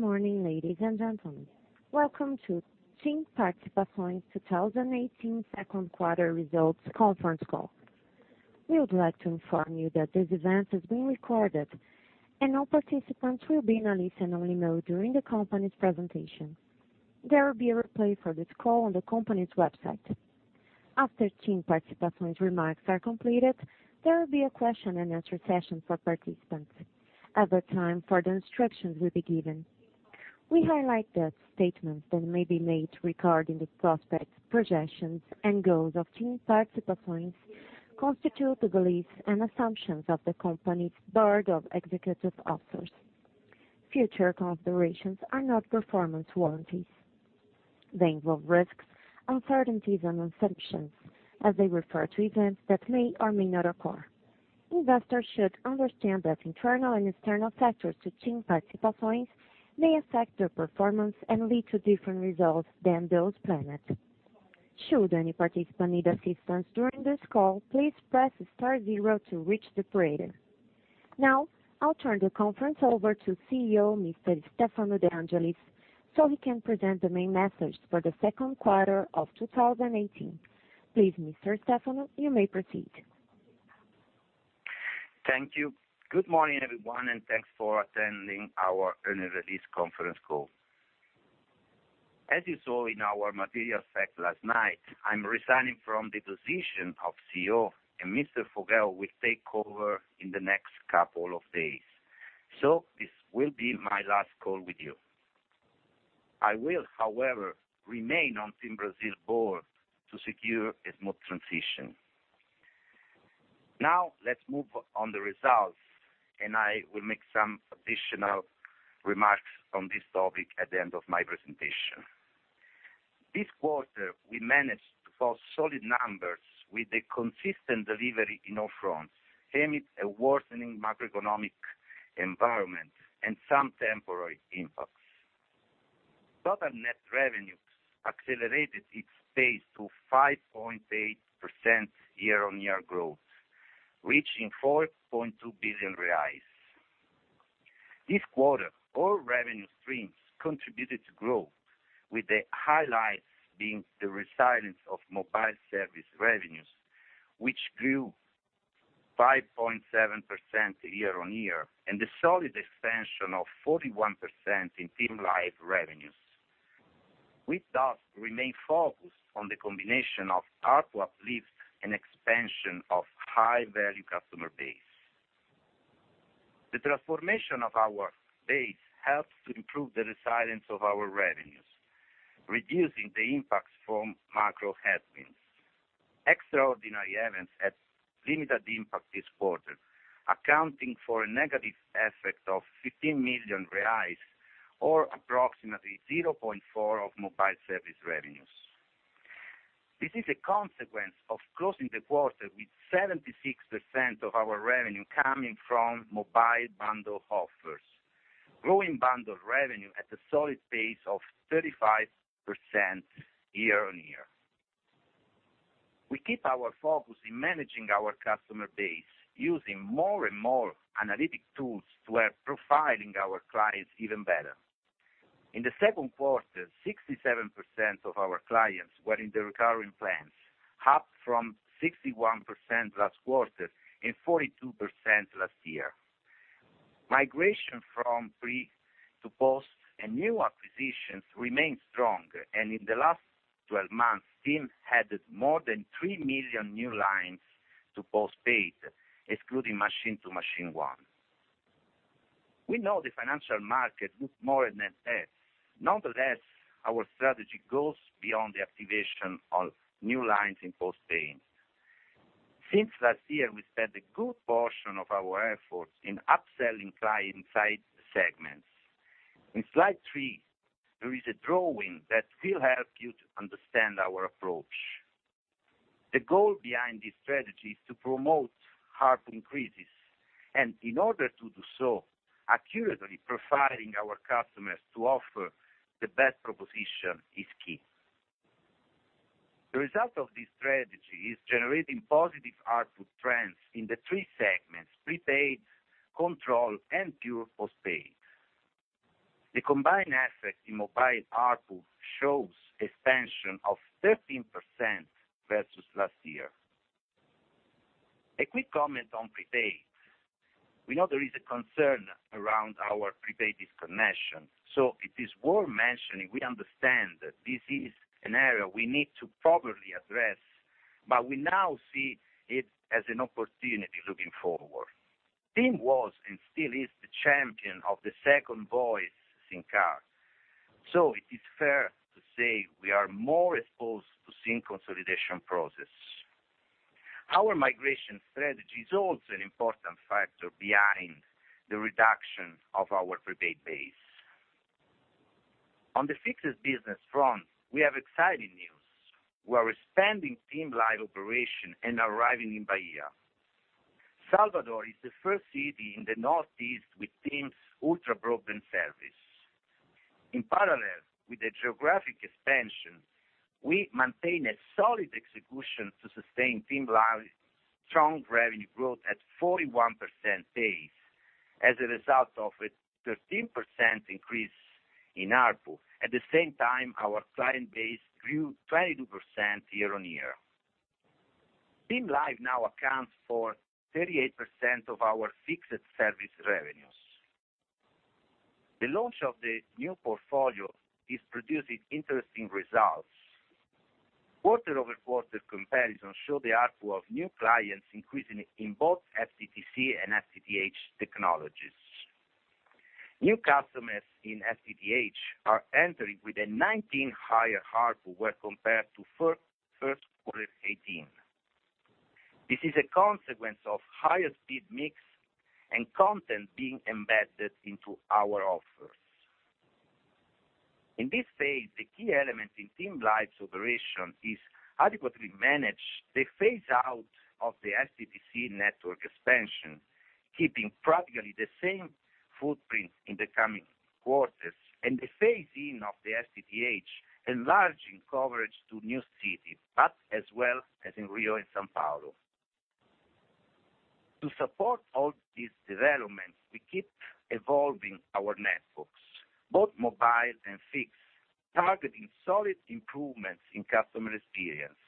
Good morning, ladies and gentlemen. Welcome to TIM Participações 2018 second quarter results conference call. We would like to inform you that this event is being recorded, and all participants will be in a listen-only mode during the company's presentation. There will be a replay for this call on the company's website. After TIM Participações remarks are completed, there will be a question and answer session for participants. At that time, further instructions will be given. We highlight that statements that may be made regarding the prospects, projections, and goals of TIM Participações constitute the beliefs and assumptions of the company's board of executive officers. Future considerations are not performance warranties. They involve risks, uncertainties, and assumptions as they refer to events that may or may not occur. Investors should understand that internal and external factors to TIM Participações may affect their performance and lead to different results than those planned. Should any participant need assistance during this call, please press star zero to reach the operator. I'll turn the conference over to CEO, Mr. Stefano De Angelis, so he can present the main message for the second quarter of 2018. Please, Mr. Stefano, you may proceed. Thank you. Good morning, everyone, thanks for attending our earnings release conference call. As you saw in our material fact last night, I'm resigning from the position of CEO, Mr. Foguel will take over in the next couple of days. This will be my last call with you. I will, however, remain on TIM Brasil board to secure a smooth transition. Let's move on the results, I will make some additional remarks on this topic at the end of my presentation. This quarter, we managed to post solid numbers with a consistent delivery in all fronts amid a worsening macroeconomic environment and some temporary impacts. Total net revenues accelerated its pace to 5.8% year-on-year growth, reaching 4.2 billion reais. This quarter, all revenue streams contributed to growth, with the highlights being the resilience of mobile service revenues, which grew 5.7% year-on-year, and the solid expansion of 41% in TIM Live revenues. We thus remain focused on the combination of ARPU uplift and expansion of high-value customer base. The transformation of our base helps to improve the resilience of our revenues, reducing the impacts from macro headwinds. Extraordinary events had limited impact this quarter, accounting for a negative effect of 15 million reais or approximately 0.4% of mobile service revenues. This is a consequence of closing the quarter with 76% of our revenue coming from mobile bundle offers, growing bundle revenue at a solid pace of 35% year-on-year. We keep our focus in managing our customer base, using more and more analytic tools to help profiling our clients even better. In the second quarter, 67% of our clients were in the recurring plans, up from 61% last quarter and 42% last year. Migration from free to post and new acquisitions remains strong. In the last 12 months, TIM added more than 3 million new lines to postpaid, excluding Machine to Machine one. We know the financial market looks more at net adds. Nonetheless, our strategy goes beyond the activation of new lines in postpaid. Since last year, we spent a good portion of our efforts in upselling clients inside the segments. In slide three, there is a drawing that will help you to understand our approach. The goal behind this strategy is to promote ARPU increases, and in order to do so, accurately profiling our customers to offer the best proposition is key. The result of this strategy is generating positive ARPU trends in the three segments: prepaid, control, and pure postpaid. The combined effect in mobile ARPU shows expansion of 13% versus last year. A quick comment on prepaid. We know there is a concern around our prepaid disconnection, so it is worth mentioning we understand that this is an area we need to properly address, but we now see it as an opportunity looking forward. TIM was and still is the champion of the second voice SIM card. It is fair to say we are more exposed to SIM consolidation process. Our migration strategy is also an important factor behind the reduction of our prepaid base. On the fixed business front, we have exciting news. We're expanding TIM Live operation and arriving in Bahia. Salvador is the first city in the northeast with TIM's ultra-broadband service. In parallel with the geographic expansion, we maintain a solid execution to sustain TIM Live strong revenue growth at 41% pace as a result of a 13% increase in ARPU. At the same time, our client base grew 22% year-on-year. TIM Live now accounts for 38% of our fixed service revenues. The launch of the new portfolio is producing interesting results. Quarter-over-quarter comparisons show the ARPU of new clients increasing in both FTTC and FTTH technologies. New customers in FTTH are entering with a 19% higher ARPU when compared to first quarter 2018. This is a consequence of higher speed mix and content being embedded into our offers. In this phase, the key element in TIM Live's operation is adequately manage the phase-out of the FTTC network expansion, keeping practically the same footprint in the coming quarters, and the phase-in of the FTTH enlarging coverage to new cities, but as well as in Rio and São Paulo. To support all these developments, we keep evolving our networks, both mobile and fixed, targeting solid improvements in customer experience.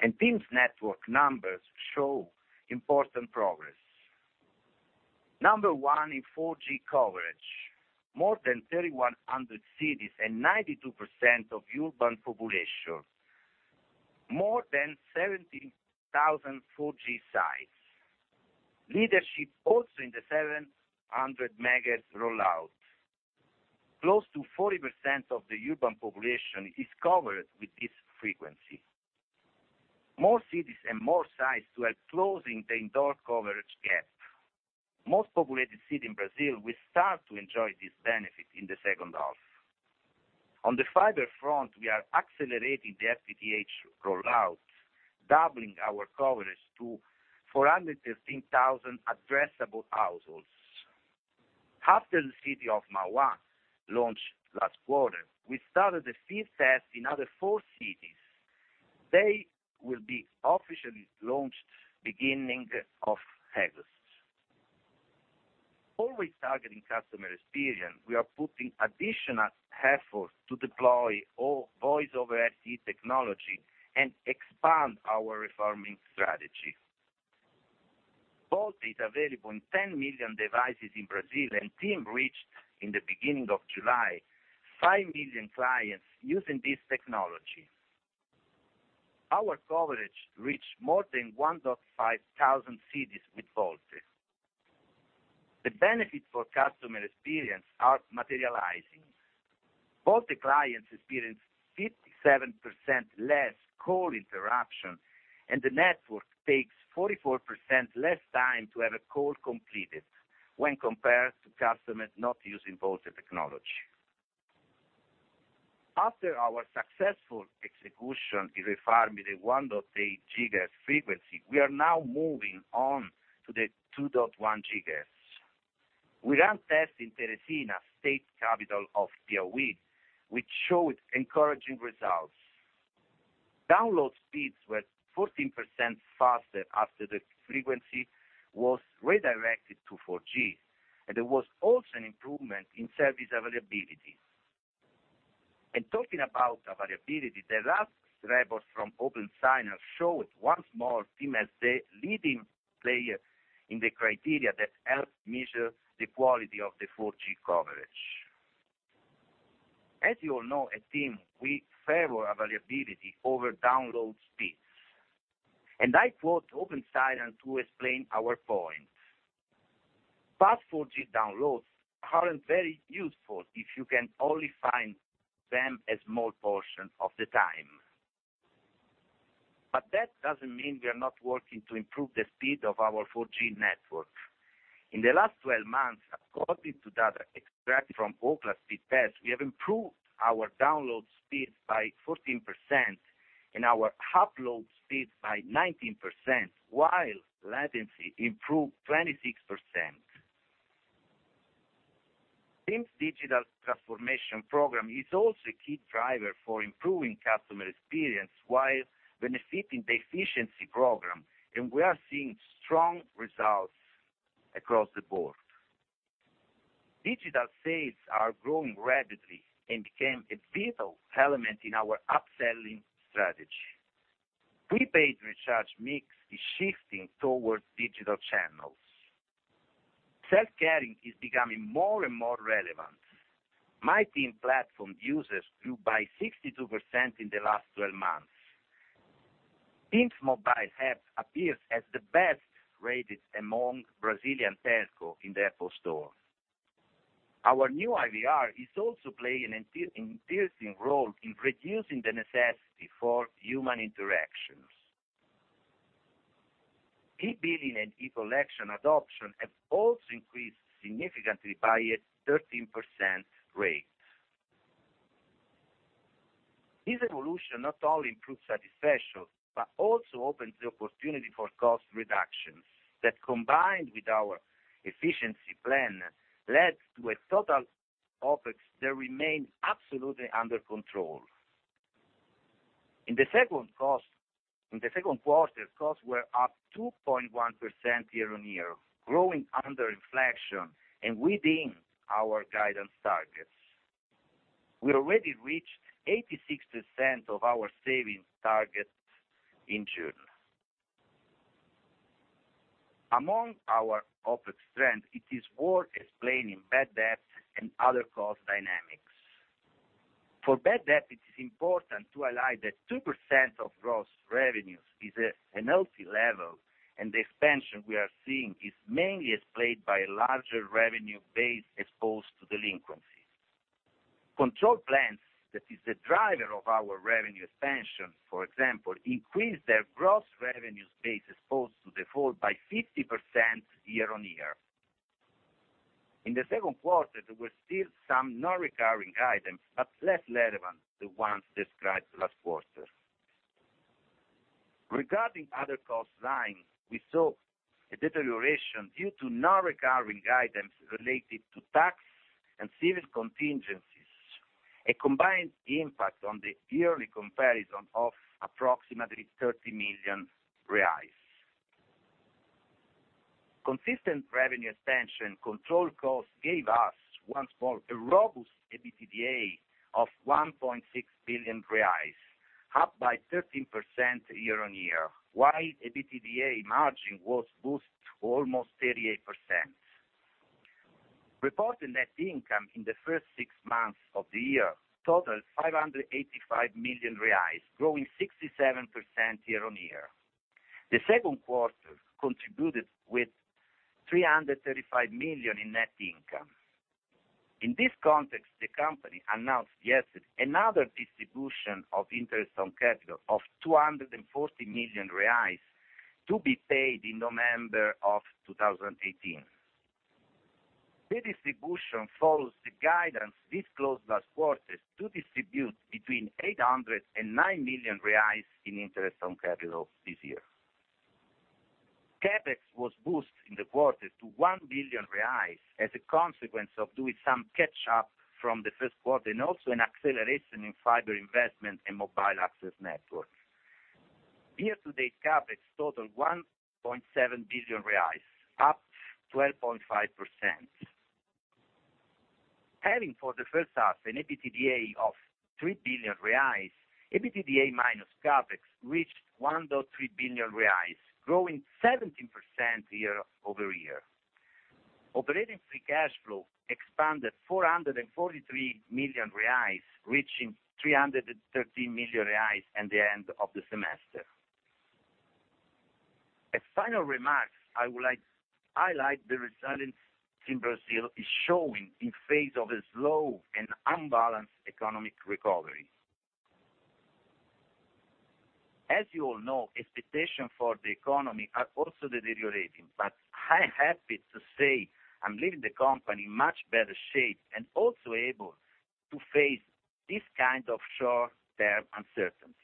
TIM's network numbers show important progress. Number one in 4G coverage, more than 3,100 cities and 92% of urban population, more than 17,000 4G sites. Leadership also in the 700 MHz rollout. Close to 40% of the urban population is covered with this frequency. More cities and more sites to help closing the indoor coverage gap. Most populated city in Brazil will start to enjoy this benefit in the second half. On the fiber front, we are accelerating the FTTH rollout, doubling our coverage to 415,000 addressable households. After the city of Mauá launched last quarter, we started the field test in other four cities. They will be officially launched beginning of August. Always targeting customer experience, we are putting additional effort to deploy Voice over LTE technology and expand our refarming strategy. VoLTE is available in 10 million devices in Brazil, and TIM reached, in the beginning of July, 5 million clients using this technology. Our coverage reached more than 1,500 cities with VoLTE. The benefit for customer experience are materializing. VoLTE clients experience 57% less call interruption, and the network takes 44% less time to have a call completed when compared to customers not using VoLTE technology. After our successful execution in refarming the 1.8 GHz frequency, we are now moving on to the 2.1 GHz. We ran tests in Teresina, state capital of Piauí, which showed encouraging results. Download speeds were 14% faster after the frequency was redirected to 4G, and there was also an improvement in service availability. Talking about availability, the last report from Opensignal showed once more TIM as the leading player in the criteria that help measure the quality of the 4G coverage. As you all know, at TIM, we favor availability over download speeds. I quote Opensignal to explain our point. "Fast 4G downloads aren't very useful if you can only find them a small portion of the time." That doesn't mean we are not working to improve the speed of our 4G network. In the last 12 months, according to data extracted from Ookla speed tests, we have improved our download speeds by 14% and our upload speeds by 19%, while latency improved 26%. TIM's digital transformation program is also a key driver for improving customer experience while benefiting the efficiency program. We are seeing strong results across the board. Digital sales are growing rapidly and became a vital element in our upselling strategy. Prepaid recharge mix is shifting towards digital channels. Self-care is becoming more and more relevant. MyTIM platform users grew by 62% in the last 12 months. TIM's mobile app appears as the best-rated among Brazilian telco in the App Store. Our new IVR is also playing an interesting role in reducing the necessity for human interactions. E-billing and e-collection adoption have also increased significantly by a 13% rate. This evolution not only improves satisfaction, but also opens the opportunity for cost reductions that, combined with our efficiency plan, led to a total OPEX that remains absolutely under control. In the second quarter, costs were up 2.1% year-on-year, growing under inflation and within our guidance targets. We already reached 86% of our savings targets in June. Among our OPEX strength, it is worth explaining bad debt and other cost dynamics. For bad debt, it is important to highlight that 2% of gross revenues is a healthy level, and the expansion we are seeing is mainly explained by a larger revenue base exposed to delinquency. Control plans, that is the driver of our revenue expansion, for example, increased their gross revenue base exposed to default by 50% year-on-year. In the second quarter, there were still some non-recurring items, but less relevant than ones described last quarter. Regarding other cost lines, we saw a deterioration due to non-recurring items related to tax and civil contingencies, a combined impact on the yearly comparison of approximately BRL 30 million. Consistent revenue expansion control cost gave us once more a robust EBITDA of 1.6 billion reais, up by 13% year-on-year, while EBITDA margin was boosted to almost 38%. Reported net income in the first six months of the year totaled 585 million reais, growing 67% year-on-year. The second quarter contributed with 335 million in net income. In this context, the company announced yesterday another distribution of interest on capital of 240 million reais to be paid in November 2018. The distribution follows the guidance disclosed last quarter to distribute between 809 million reais in interest on capital this year. CapEx was boosted in the quarter to 1 billion reais as a consequence of doing some catch-up from the first quarter, and also an acceleration in fiber investment and mobile access networks. Year-to-date CapEx totaled BRL 1.7 billion, up 12.5%. Having for the first half an EBITDA of 3 billion reais, EBITDA minus CapEx reached 1.3 billion reais, growing 17% year-over-year. Operating free cash flow expanded 443 million reais, reaching 313 million reais at the end of the semester. As final remarks, I would like to highlight the resilience TIM Brasil is showing in face of a slow and unbalanced economic recovery. As you all know, expectations for the economy are also deteriorating, but I'm happy to say I'm leaving the company in much better shape and also able to face these kind of short-term uncertainties.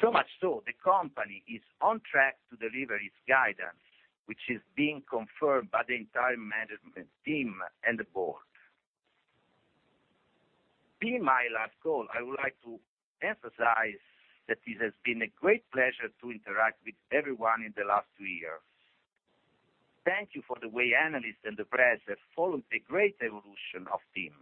So much so, the company is on track to deliver its guidance, which is being confirmed by the entire management team and the board. Being my last call, I would like to emphasize that it has been a great pleasure to interact with everyone in the last two years. Thank you for the way analysts and the press have followed the great evolution of TIM.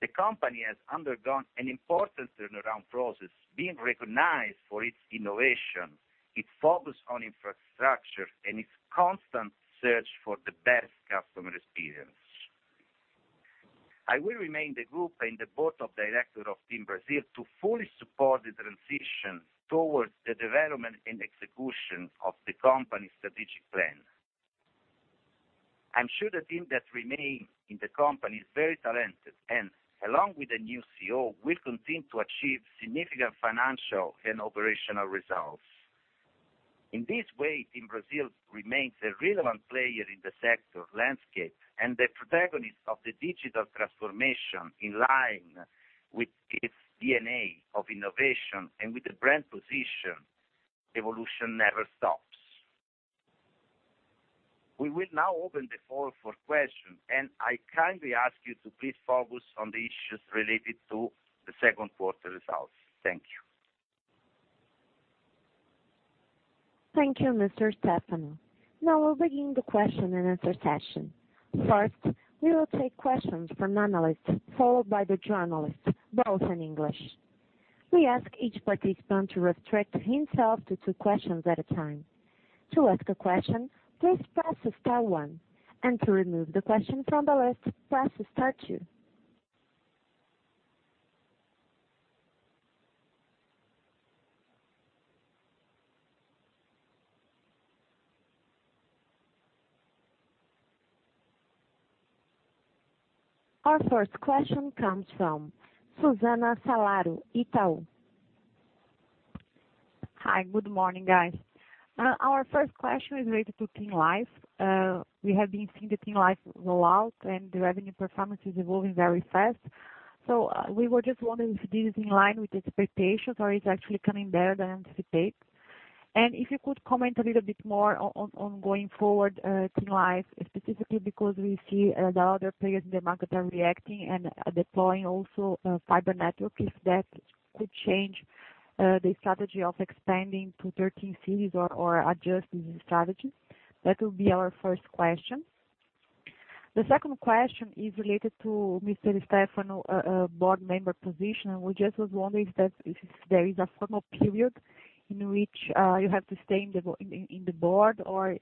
The company has undergone an important turnaround process, being recognized for its innovation, its focus on infrastructure, and its constant search for the best customer experience. I will remain in the group and the board of directors of TIM Brasil to fully support the transition towards the development and execution of the company's strategic plan. I'm sure the team that remains in the company is very talented and, along with the new CEO, will continue to achieve significant financial and operational results. In this way, TIM Brasil remains a relevant player in the sector landscape and the protagonist of the digital transformation in line with its DNA of innovation and with the brand position, evolution never stops. We will now open the floor for questions, I kindly ask you to please focus on the issues related to the second quarter results. Thank you. Thank you, Mr. Stefano. We'll begin the question and answer session. First, we will take questions from analysts, followed by the journalists, both in English. We ask each participant to restrict himself to two questions at a time. To ask a question, please press star one, and to remove the question from the list, press star two. Our first question comes from Susana Salaro, Itaú. Hi. Good morning, guys. Our first question is related to TIM Live. We have been seeing the TIM Live rollout and the revenue performance is evolving very fast. We were just wondering if this is in line with the expectations or is it actually coming better than anticipated? If you could comment a little bit more on going forward, TIM Live specifically, because we see the other players in the market are reacting and deploying also fiber networks, if that could change the strategy of expanding to 13 cities or adjust this strategy. That will be our first question. The second question is related to Mr. Stefano, board member position. We just wondering if there is a formal period in which you have to stay in the board or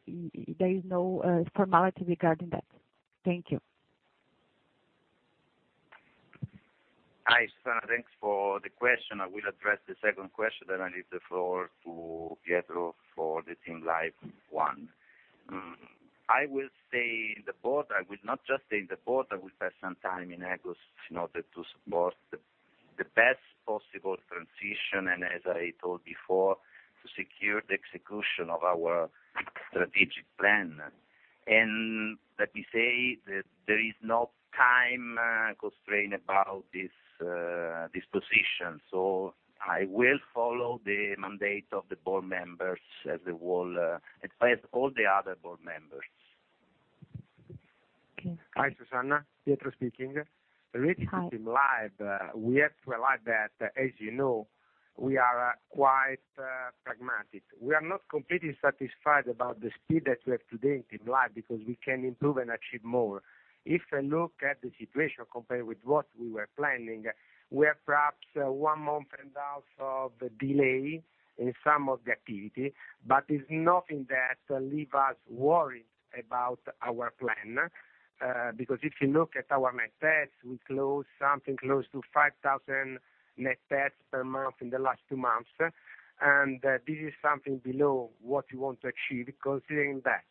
there is no formality regarding that. Thank you. Hi, Susana. Thanks for the question. I will address the second question. I leave the floor to Pietro for the TIM Live one. I will stay in the board. I will not just stay in the board. I will spend some time in August in order to support the best possible transition, as I told before, to secure the execution of our strategic plan. Let me say that there is no time constraint about this position. I will follow the mandate of the board members as a whole, as all the other board members. Okay. Hi, Susana. Pietro speaking. Hi. Related to TIM Live, we have to realize that, as you know, we are quite pragmatic. We are not completely satisfied about the speed that we have today in TIM Live because we can improve and achieve more. If I look at the situation compared with what we were planning, we are perhaps one month and a half of delay in some of the activity, but it's nothing that leave us worried about our plan. Because if you look at our net adds, we close something close to 5,000 net adds per month in the last two months. This is something below what we want to achieve, considering that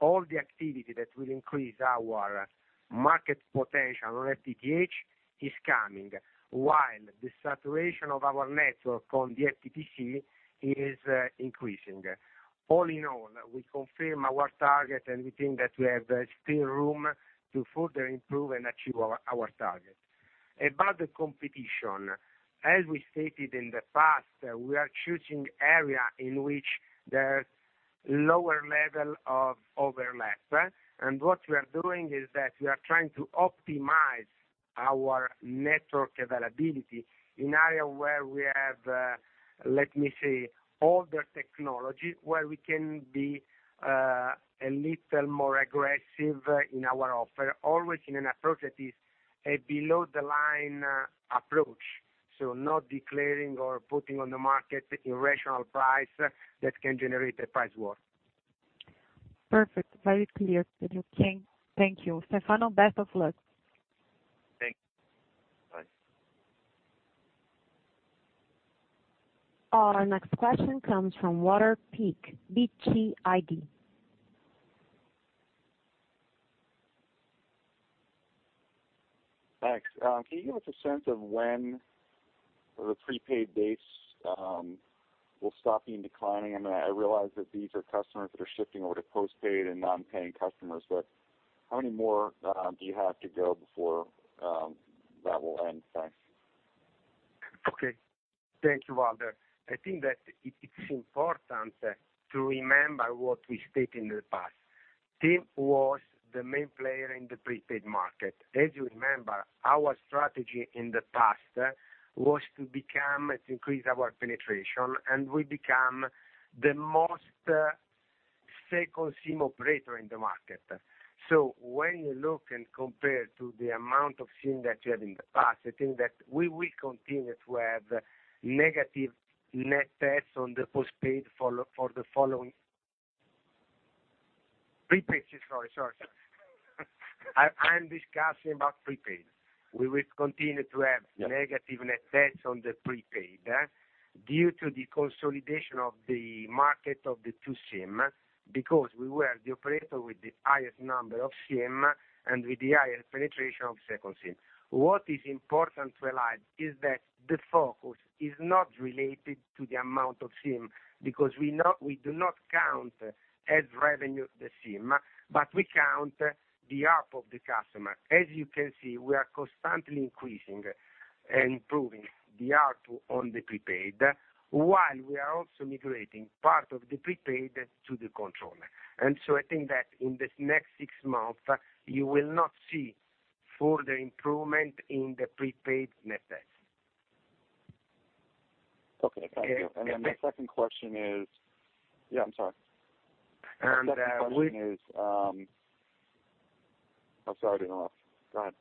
all the activity that will increase our market potential on FTTH is coming, while the saturation of our network on the FTTC is increasing. All in all, we confirm our target. We think that we have still room to further improve and achieve our target. About the competition, as we stated in the past, we are choosing area in which there's lower level of overlap. What we are doing is that we are trying to optimize our network availability in area where we have, let me say, older technology, where we can be a little more aggressive in our offer, always in an approach that is a below the line approach. Not declaring or putting on the market irrational price that can generate a price war. Perfect. Very clear. Okay. Thank you. Stefano, best of luck. Thank you. Bye. Our next question comes from Walter Piecyk, BTIG. Thanks. Can you give us a sense of when the prepaid base will stop being declining? I realize that these are customers that are shifting over to postpaid and non-paying customers, but how many more do you have to go before that will end? Thanks. Okay. Thank you, Walter. I think that it's important to remember what we stated in the past. TIM was the main player in the prepaid market. As you remember, our strategy in the past was to become, to increase our penetration, and we become the most second SIM operator in the market. When you look and compare to the amount of SIM that we had in the past, I think that we will continue to have negative net adds on the postpaid for the following. Prepaid, sorry. I'm discussing about prepaid. We will continue to have negative net adds on the prepaid due to the consolidation of the market of the two SIM, because we were the operator with the highest number of SIM and with the highest penetration of second SIM. What is important to realize is that the focus is not related to the amount of SIM, because we do not count as revenue the SIM, but we count the ARPU of the customer. As you can see, we are constantly increasing and improving the ARPU on the prepaid, while we are also migrating part of the prepaid to the control. I think that in this next six months, you will not see further improvement in the prepaid net adds. Okay. Thank you. Then the second question is. I'm sorry. And we- The second question is I'm starting off. Go ahead.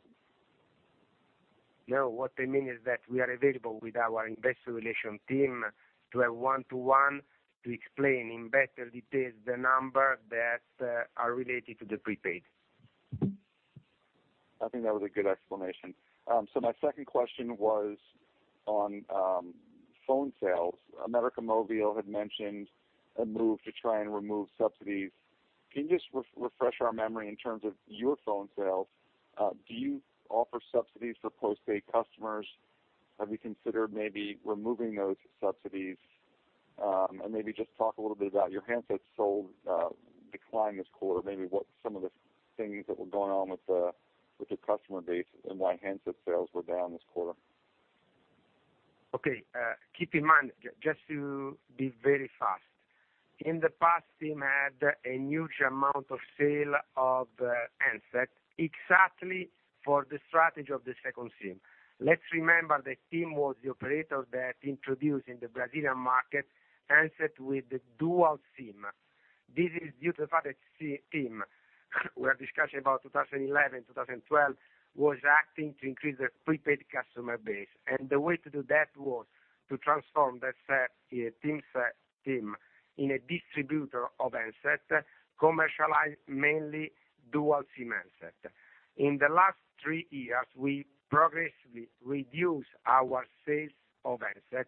No, what I mean is that we are available with our Investor Relations team to have one-to-one to explain in better details the number that are related to the prepaid. I think that was a good explanation. My second question was on phone sales. América Móvil had mentioned a move to try and remove subsidies. Can you just refresh our memory in terms of your phone sales? Do you offer subsidies for postpaid customers? Have you considered maybe removing those subsidies? Maybe just talk a little bit about your handsets sold decline this quarter, maybe what some of the things that were going on with the customer base and why handset sales were down this quarter. Okay. Keep in mind, just to be very fast. In the past, TIM had a huge amount of sale of handset exactly for the strategy of the second SIM. Let's remember that TIM was the operator that introduced in the Brazilian market handset with the dual SIM. This is due to the fact that TIM, we are discussing about 2011, 2012, was acting to increase the prepaid customer base. The way to do that was to transform the TIM sales team in a distributor of handset, commercialize mainly dual SIM handset. In the last three years, we progressively reduce our sales of handset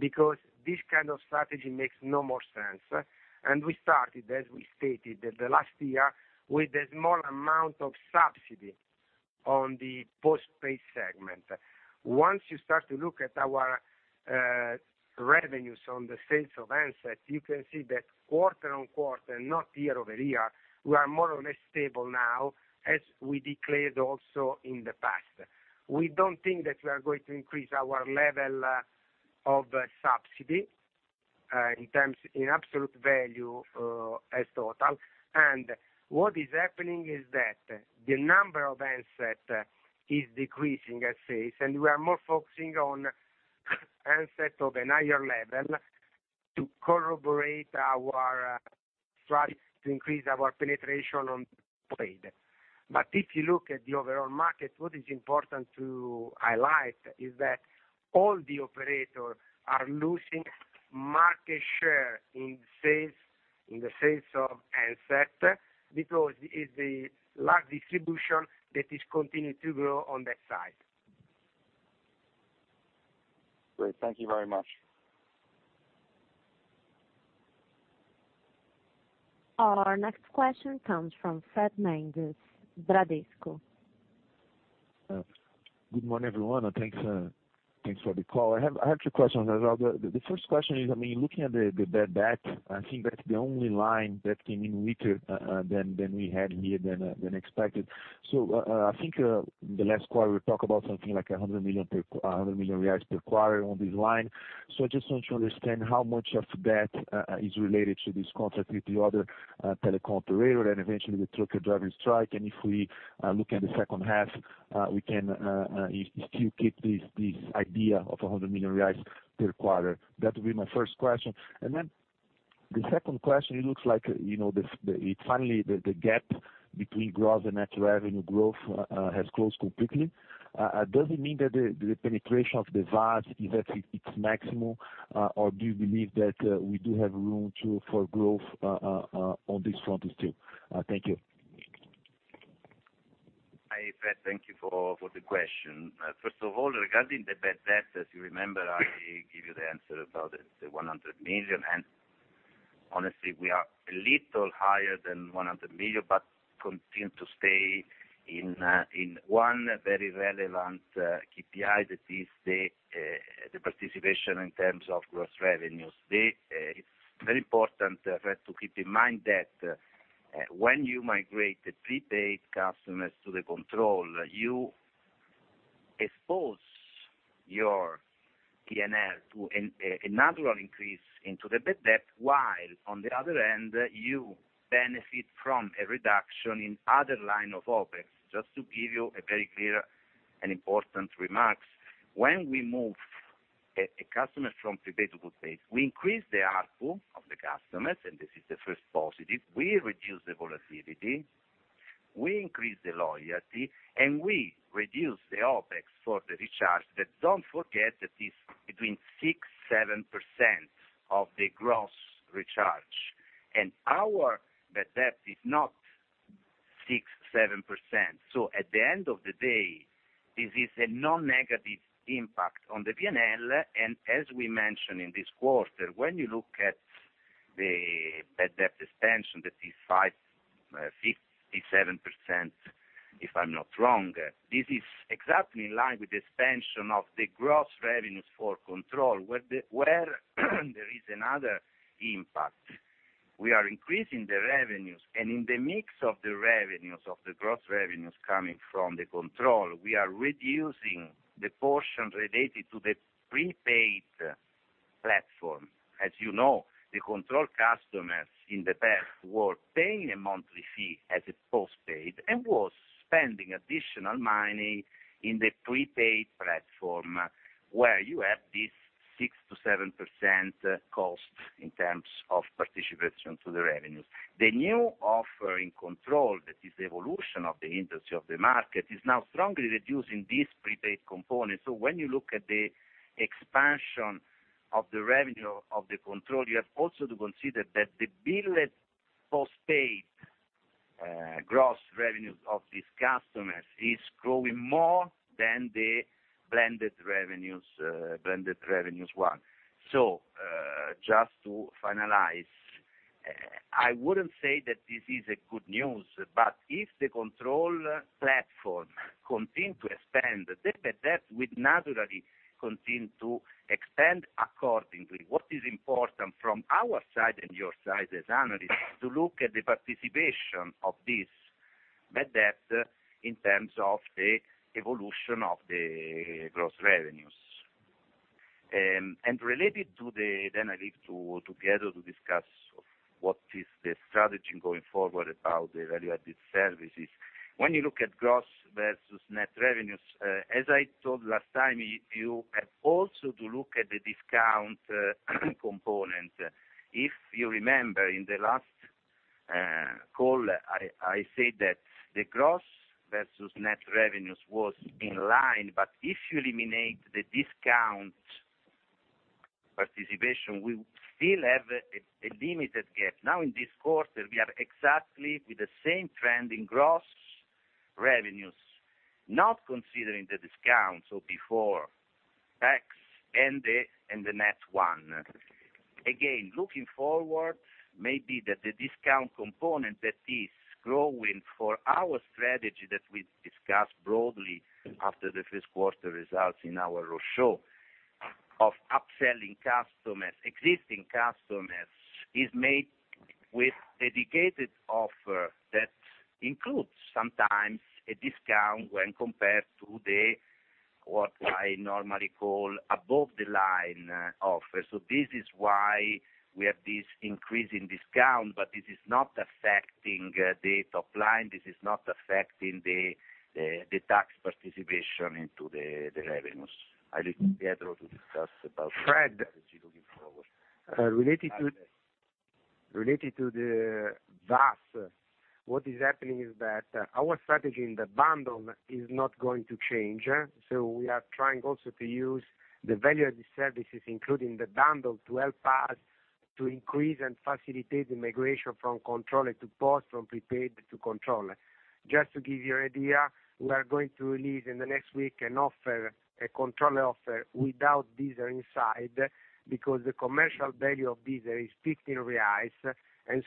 because this kind of strategy makes no more sense. We started, as we stated, the last year with a small amount of subsidy on the postpaid segment. Once you start to look at our revenues on the sales of handset, you can see that quarter-on-quarter, not year-over-year, we are more or less stable now, as we declared also in the past. We don't think that we are going to increase our level of subsidy in absolute value as total. What is happening is that the number of handset is decreasing as sales, and we are more focusing on handset of a higher level to corroborate our strategy to increase our penetration on postpaid. If you look at the overall market, what is important to highlight is that all the operators are losing market share in the sales of handset because it's the large distribution that is continuing to grow on that side. Great. Thank you very much. Our next question comes from Fred Mendes, Bradesco. Good morning, everyone. Thanks for the call. I have two questions. The first question is, looking at the bad debt, I think that's the only line that came in weaker than we had here than expected. I think the last quarter, we talk about something like 100 million per quarter on this line. I just want to understand how much of that is related to this concept with the other telecom operator, and eventually the trucker driver strike. If we look at the second half, we can still keep this idea of 100 million reais per quarter. That would be my first question. The second question, it looks like finally the gap between growth and net revenue growth has closed completely. Does it mean that the penetration of the VAS is at its maximum, or do you believe that we do have room for growth on this front still? Thank you. Hi, Fred. Thank you for the question. First of all, regarding the bad debt, as you remember, I give you the answer about the 100 million, and honestly, we are a little higher than 100 million, but continue to stay in one very relevant KPI that is the participation in terms of gross revenues. Very important, Fred, to keep in mind that when you migrate the prepaid customers to the control, you expose your P&L to a natural increase into the bad debt, while on the other hand, you benefit from a reduction in other line of OPEX. Just to give you a very clear and important remarks. When we move a customer from prepaid to postpaid, we increase the ARPU of the customers, this is the first positive. We reduce the volatility, we increase the loyalty, we reduce the OpEx for the recharge that don't forget that is between 6%-7% of the gross recharge. Our bad debt is not 6%-7%. At the end of the day, this is a non-negative impact on the P&L. As we mentioned in this quarter, when you look at the bad debt expansion, that is 57%, if I'm not wrong, this is exactly in line with the expansion of the gross revenues for Control, where there is another impact. We are increasing the revenues, and in the mix of the revenues, of the gross revenues coming from the Control, we are reducing the portion related to the prepaid platform. As you know, the Control customers in the past were paying a monthly fee as a postpaid and was spending additional money in the prepaid platform where you have this 6%-7% cost in terms of participation to the revenues. The new offer in Control, that is the evolution of the industry, of the market, is now strongly reducing this prepaid component. When you look at the expansion of the revenue of the Control, you have also to consider that the billed postpaid gross revenues of these customers is growing more than the blended revenues one. Just to finalize, I wouldn't say that this is a good news, but if the Control platform continue to expand, the bad debt will naturally continue to expand accordingly. What is important from our side and your side as analysts, to look at the participation of this bad debt in terms of the evolution of the gross revenues. Related to the, I leave to Pietro to discuss what is the strategy going forward about the value-added services. When you look at gross versus net revenues, as I told last time, you have also to look at the discount component. If you remember, in the last call, I said that the gross versus net revenues was in line, but if you eliminate the discount participation, we still have a limited gap. In this quarter, we are exactly with the same trend in gross revenues, not considering the discount, so before tax and the net one. Looking forward, maybe that the discount component that is growing for our strategy that we discussed broadly after the first quarter results in our roadshow of upselling existing customers is made with dedicated offer that includes sometimes a discount when compared to what I normally call above the line offer. This is why we have this increase in discount, but this is not affecting the top line. This is not affecting the tax participation into the revenues. I leave Pietro to discuss about strategy looking forward. Related to the VAS, what is happening is that our strategy in the bundle is not going to change. We are trying also to use the value-added services, including the bundle, to help us to increase and facilitate the migration from controlled to post, from prepaid to controlled. Just to give you idea, we are going to release in the next week an offer, a controlled offer without Deezer inside, because the commercial value of Deezer is 15 reais.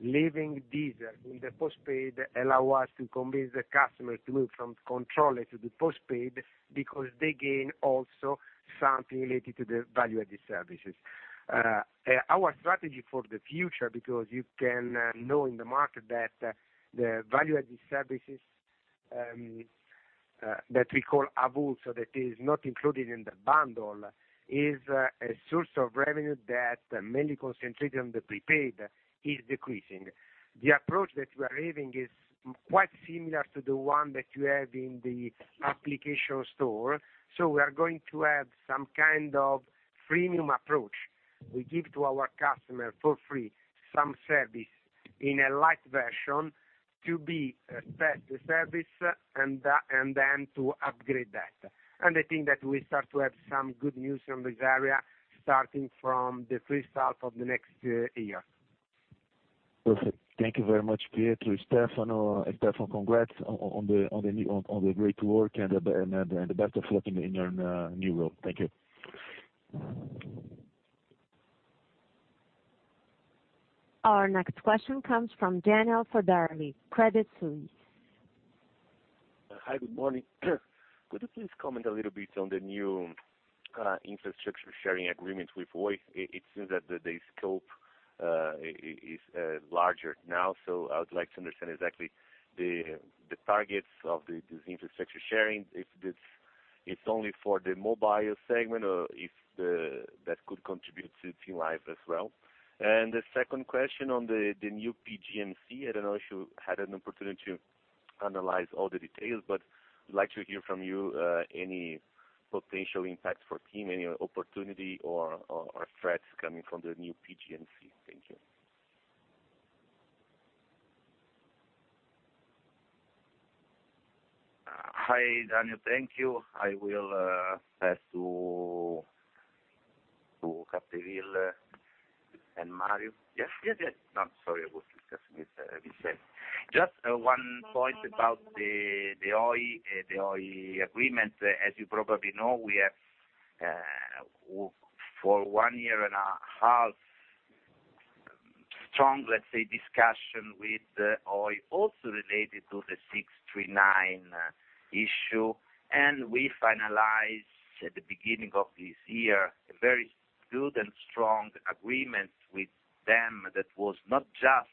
Leaving Deezer in the postpaid allow us to convince the customer to move from controlled to the postpaid because they gain also something related to the value-added services. Our strategy for the future, because you can know in the market that the value-added services that we call AVUL, that is not included in the bundle, is a source of revenue that mainly concentrated on the prepaid is decreasing. The approach that we are having is quite similar to the one that you have in the application store. We are going to have some kind of freemium approach. We give to our customer for free some service in a light version to be test the service and then to upgrade that. I think that we start to have some good news on this area starting from the first half of the next year. Perfect. Thank you very much, Pietro, Stefano. Stefano, congrats on the great work and the best of luck in your new role. Thank you. Our next question comes from Daniel Federle, Credit Suisse. Hi, good morning. Could you please comment a little bit on the new infrastructure sharing agreement with Oi? It seems that the scope is larger now, so I would like to understand exactly the targets of this infrastructure sharing, if it's only for the mobile segment or if that could contribute to TIM Live as well. The second question on the new PGMC, I don't know if you had an opportunity to analyze all the details, but I'd like to hear from you any potential impact for TIM, any opportunity or threats coming from the new PGMC. Thank you. Hi, Daniel. Thank you. I will pass to Capdeville and Mario. Yes. No, I'm sorry. I was discussing with Vicente. Just one point about the Oi agreement. As you probably know, we have for one year and a half strong, let's say, discussion with Oi also related to the 639 issue. We finalized at the beginning of this year a very good and strong agreement with them that was not just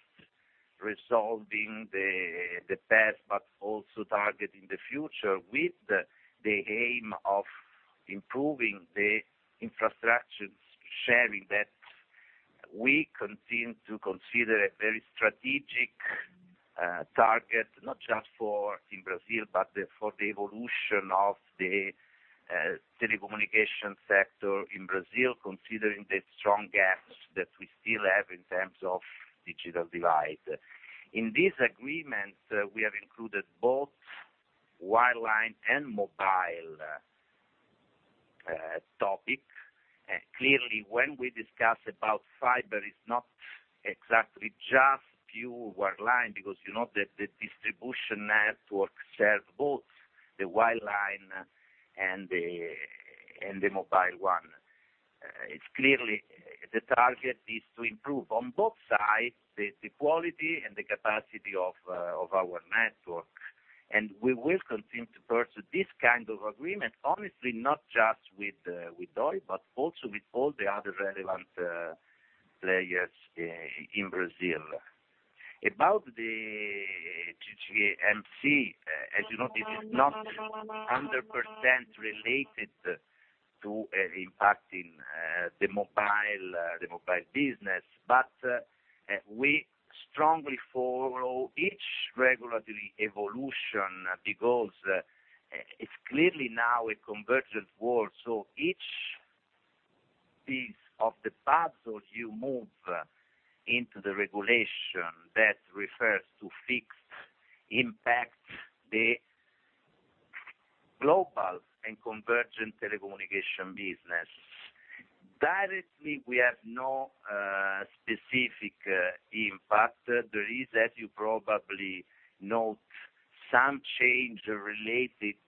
resolving the past, but also targeting the future with the aim of improving the infrastructure sharing that we continue to consider a very strategic target, not just for in Brazil, but for the evolution of the telecommunication sector in Brazil, considering the strong gaps that we still have in terms of digital divide. In this agreement, we have included both wireline and mobile topic. Clearly, when we discuss about fiber, it's not exactly just pure wireline because you know that the distribution network serves both the wireline and the mobile one. Clearly, the target is to improve on both sides the quality and the capacity of our network. We will continue to pursue this kind of agreement, honestly, not just with Oi, but also with all the other relevant players in Brazil. About the PGMC, as you know, this is not 100% related to impacting the mobile business, but we strongly follow each regulatory evolution because it's clearly now a convergent world. Each piece of the puzzle you move into the regulation that refers to fixed impacts the global and convergent telecommunication business. Directly, we have no specific impact. There is, as you probably note, some change related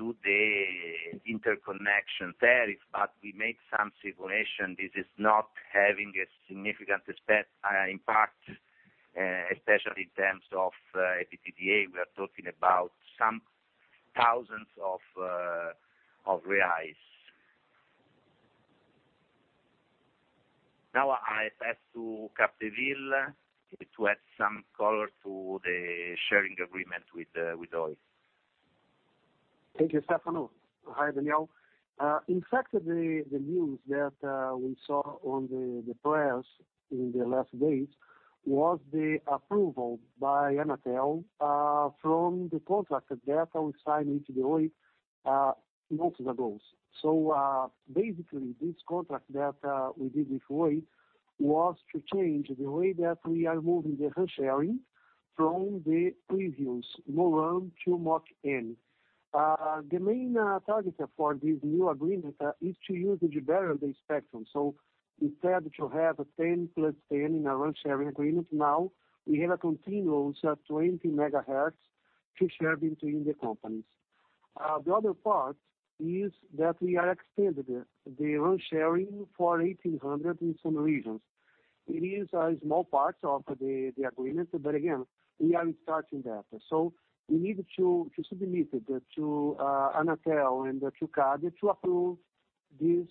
to the interconnection tariff, but we make some simulation. This is not having a significant impact, especially in terms of EBITDA. We are talking about some thousands of BRL. Now I pass to Capdeville to add some color to the sharing agreement with Oi. Thank you, Stefano. Hi, Daniel. In fact, the news that we saw on the press in the last days was the approval by Anatel from the contract that we signed with Oi months ago. Basically, this contract that we did with Oi was to change the way that we are moving the sharing from the previous MORAN to MOCN. The main target for this new agreement is to use better the spectrum. Instead to have a 10 plus 10 in a sharing agreement, now we have a continuous 20 megahertz to share between the companies. The other part is that we are extending the RAN sharing for 1,800 in some regions. It is a small part of the agreement, but again, we are starting that. We need to submit it to Anatel and to CADE to approve this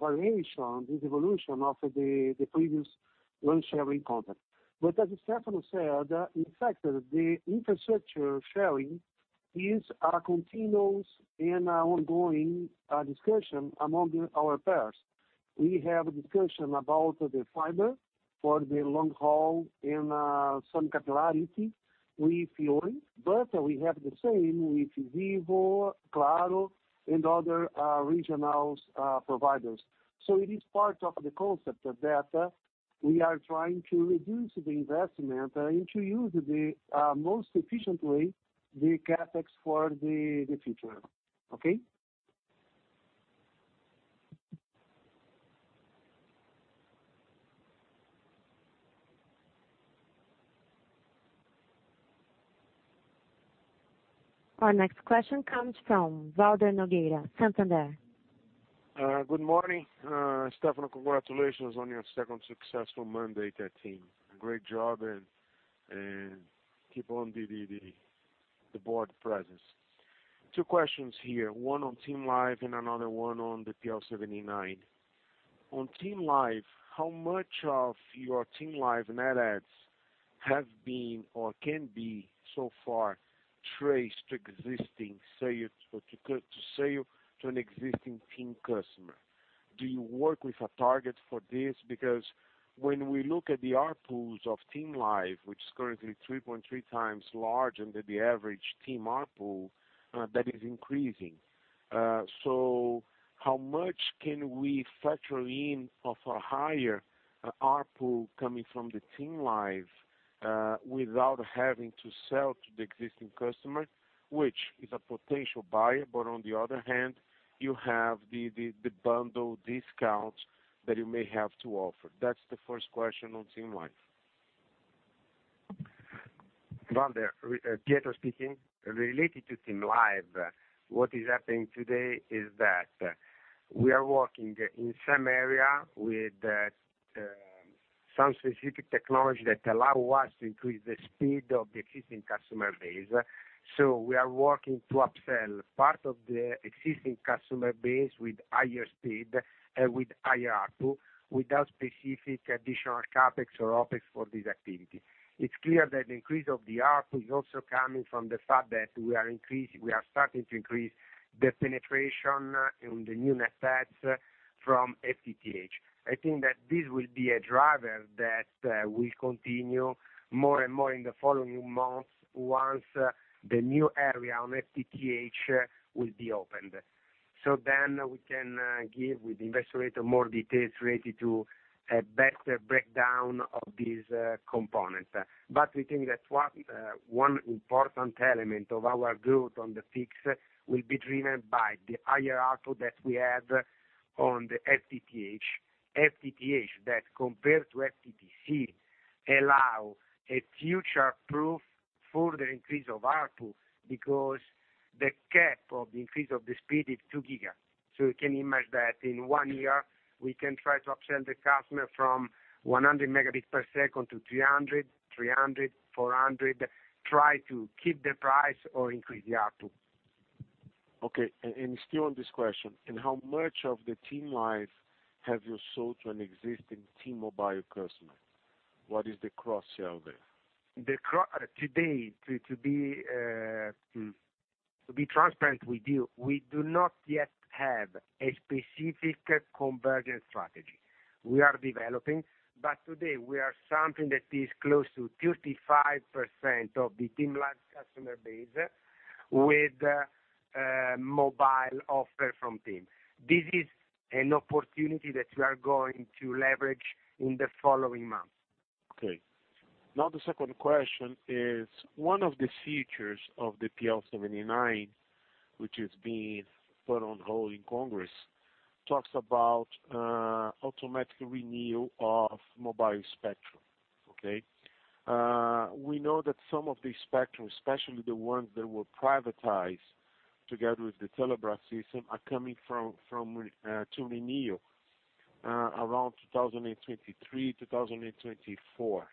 variation, this evolution of the previous RAN sharing contract. As Stefano said, in fact, the infrastructure sharing is a continuous and ongoing discussion among our peers. We have a discussion about the fiber for the long haul and some capillarity with Oi, we have the same with Vivo, Claro, and other regional providers. It is part of the concept that we are trying to reduce the investment and to use the most efficiently the CapEx for the future. Okay? Our next question comes from Valder Nogueira, Santander. Good morning. Stefano, congratulations on your second successful mandate at TIM. Great job, keep on the board presence. Two questions here, one on TIM Live and another one on the PL 79. On TIM Live, how much of your TIM Live net adds have been or can be so far traced to sale to an existing TIM customer? Do you work with a target for this? When we look at the ARPU of TIM Live, which is currently 3.3 times larger than the average TIM ARPU, that is increasing. How much can we factor in of a higher ARPU coming from the TIM Live, without having to sell to the existing customer, which is a potential buyer, on the other hand, you have the bundle discount that you may have to offer? That's the first question on TIM Live. Valder, Pietro speaking. Related to TIM Live, what is happening today is that we are working in some area with some specific technology that allow us to increase the speed of the existing customer base. We are working to upsell part of the existing customer base with higher speed and with higher ARPU, without specific additional CapEx or OpEx for this activity. It's clear that the increase of the ARPU is also coming from the fact that we are starting to increase the penetration on the new net adds from FTTH. I think that this will be a driver that will continue more and more in the following months once the new area on FTTH will be opened. We can give with the investor more details related to a better breakdown of these components. We think that one important element of our growth on the fixed will be driven by the higher ARPU that we have on the FTTH. FTTH that compared to FTTC allow a future-proof further increase of ARPU. Because the cap of the increase of the speed is 2 giga. You can imagine that in one year, we can try to upsell the customer from 100 megabits per second to 300, 400. Try to keep the price or increase. We have to. Okay, still on this question, how much of the TIM Live have you sold to an existing TIM mobile customer? What is the cross-sell there? Today, to be transparent with you, we do not yet have a specific convergent strategy. We are developing, today we are something that is close to 35% of the TIM Live customer base with a mobile offer from TIM. This is an opportunity that we are going to leverage in the following months. Okay. Now the second question is, one of the features of the PL 79, which is being put on hold in Congress, talks about automatic renewal of mobile spectrum. Okay? We know that some of the spectrum, especially the ones that were privatized together with the Telebras system, are coming to renew around 2023, 2024.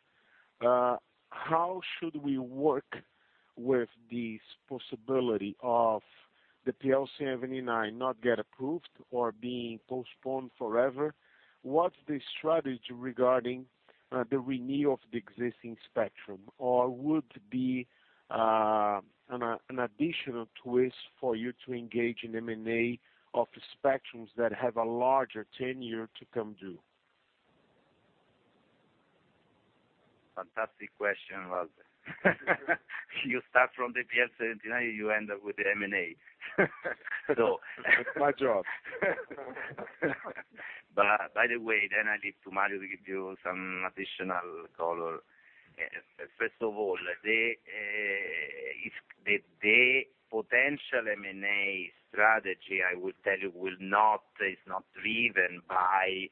How should we work with this possibility of the PL 79 not get approved or being postponed forever? What's the strategy regarding the renewal of the existing spectrum? Or would be an additional twist for you to engage in M&A of the spectrums that have a larger tenure to come due? Fantastic question, Walter. You start from the PL 79, you end up with the M&A. That's my job. By the way, I leave to Mario to give you some additional color. First of all, the potential M&A strategy, I will tell you, is not driven by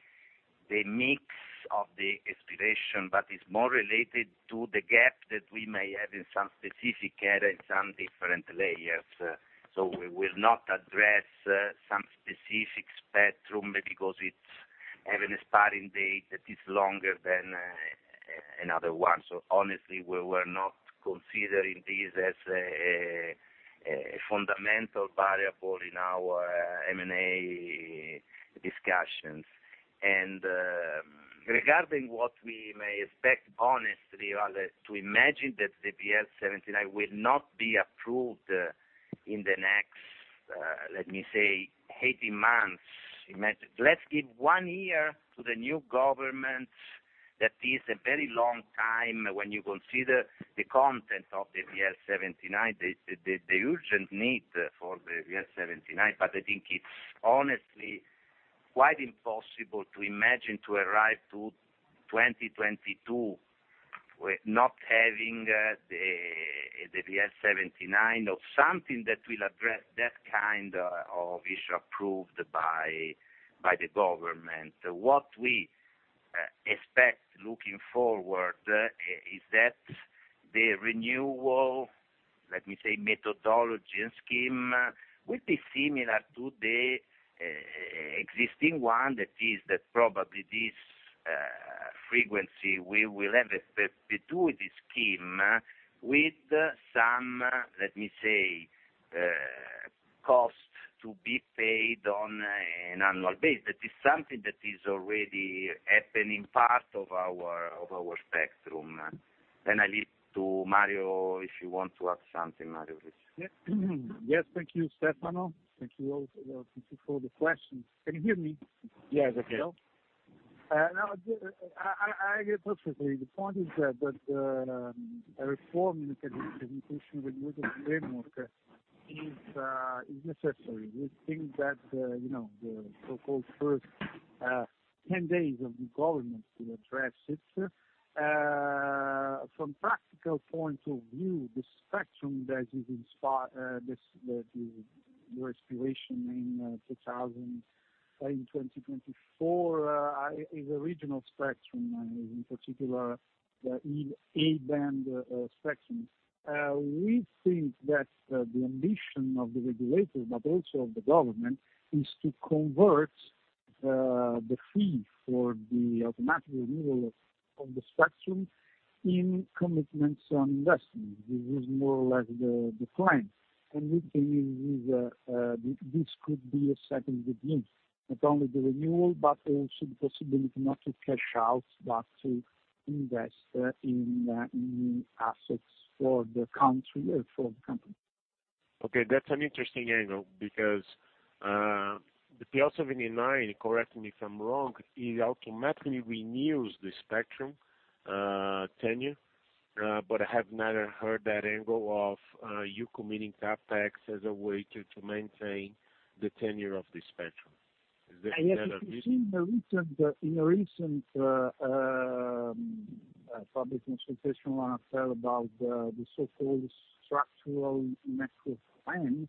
the mix of the expiration, but it's more related to the gap that we may have in some specific areas, some different layers. We will not address some specific spectrum because it's have an expiring date that is longer than another one. Honestly, we were not considering this as a fundamental variable in our M&A discussions. Regarding what we may expect, honestly, Walter, to imagine that the PL 79 will not be approved in the next, let me say, 18 months. Imagine. Let's give one year to the new government. That is a very long time when you consider the content of the PL 79, the urgent need for the PL 79, but I think it's honestly quite impossible to imagine to arrive to 2022 with not having the PL 79 or something that will address that kind of issue approved by the government. What we expect looking forward is that the renewal, let me say, methodology and scheme will be similar to the existing one. That is, that probably this frequency, we will have a perpetuity scheme with some, let me say, cost to be paid on an annual basis. That is something that is already happening, part of our spectrum. I leave to Mario, if you want to add something, Mario, please. Thank you, Stefano. Thank you all. Thank you for the questions. Can you hear me? Yes. Yes. I hear perfectly. The point is that a reform in the concession renewal framework is necessary. We think that the so-called first ten days of the government to address it. From practical point of view, the spectrum that is expiring, the renewal in 2024 is original spectrum, in particular the E-band spectrum. We think that the ambition of the regulators, but also of the government, is to convert the fee for the automatic renewal of the spectrum in commitments on investment. This is more or less the plan. We believe this could be a second beginning, not only the renewal, but also the possibility not to cash out, but to invest in assets for the country and for the company. That's an interesting angle because the PL 79, correct me if I'm wrong, it automatically renews the spectrum tenure, I have never heard that angle of you committing CapEx as a way to maintain the tenure of the spectrum. Is that a recent- Yes. You see in the recent public institutional, I said about the so-called structural macro plan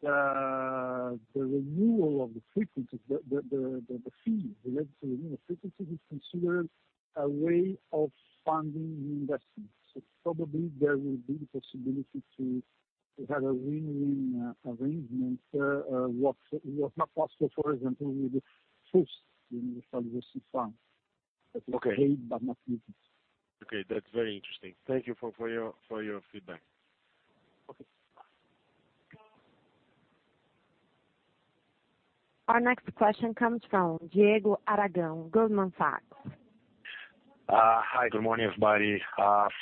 The renewal of the frequencies, the fee related to the renewal frequency is considered a way of funding investments. Probably there will be the possibility to have a win-win arrangement. What's not possible, for example, with the first universal service fund. Okay. Not with this. Okay. That's very interesting. Thank you for your feedback. Okay. Bye. Our next question comes from Diego Aragao, Goldman Sachs. Hi, good morning, everybody.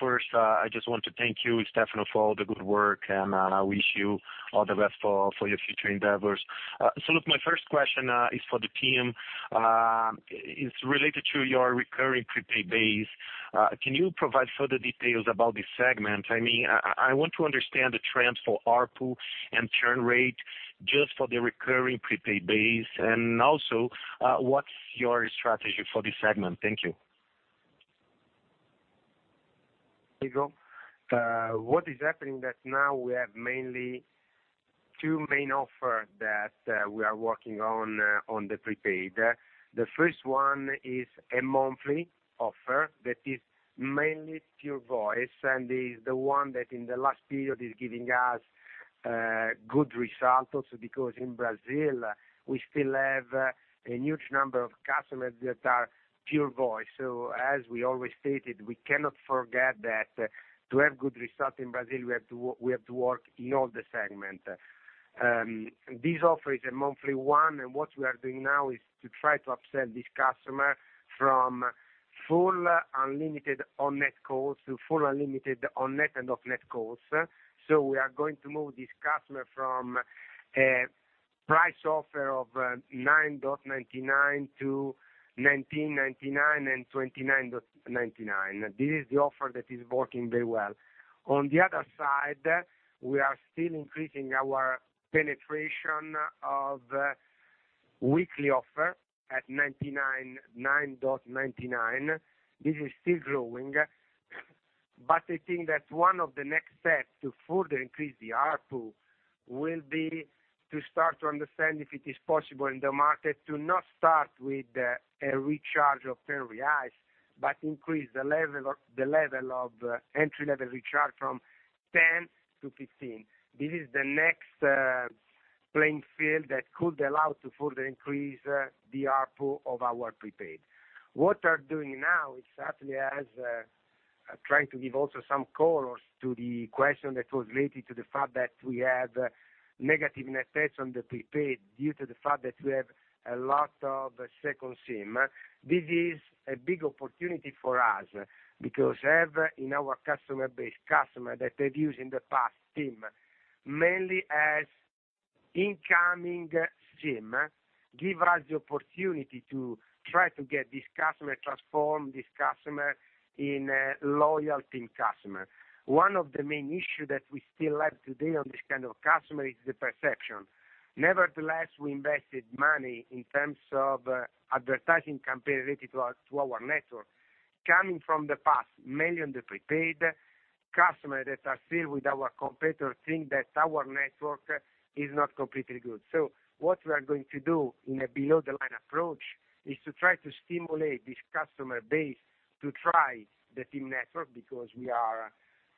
First, I just want to thank you, Stefano, for all the good work, and I wish you all the best for your future endeavors. Look, my first question is for the team. It's related to your recurring prepaid base. Can you provide further details about this segment? I want to understand the trends for ARPU and churn rate just for the recurring prepaid base. Also, what's your strategy for this segment? Thank you. Diego. What is happening that now we have mainly two main offer that we are working on the prepaid. The first one is a monthly offer that is mainly pure voice and is the one that in the last period is giving us good results also because in Brazil, we still have a huge number of customers that are pure voice. As we always stated, we cannot forget that to have good results in Brazil, we have to work in all the segment. This offer is a monthly one, and what we are doing now is to try to upsell this customer from full unlimited on-net calls to full unlimited on-net and off-net calls. We are going to move this customer from a price offer of 9.99 to 19.99 and 29.99. This is the offer that is working very well. We are still increasing our penetration of weekly offer at 9.99. This is still growing. I think that one of the next steps to further increase the ARPU will be to start to understand if it is possible in the market to not start with a recharge of BRL 10, but increase the level of entry-level recharge from 10 to 15. This is the next playing field that could allow to further increase the ARPU of our prepaid. What we are doing now is actually trying to give also some colors to the question that was related to the fact that we have negative net effect on the prepaid due to the fact that we have a lot of second SIM. This is a big opportunity for us because having in our customer base customers that had used in the past TIM mainly as incoming SIM, gives us the opportunity to try to get this customer, transform this customer in a loyal TIM customer. One of the main issues that we still have today on this kind of customer is the perception. Nevertheless, we invested money in terms of advertising campaign related to our network. Coming from the past, mainly on the prepaid, customers that are still with our competitor think that our network is not completely good. What we are going to do in a below-the-line approach is to try to stimulate this customer base to try the TIM network, because we are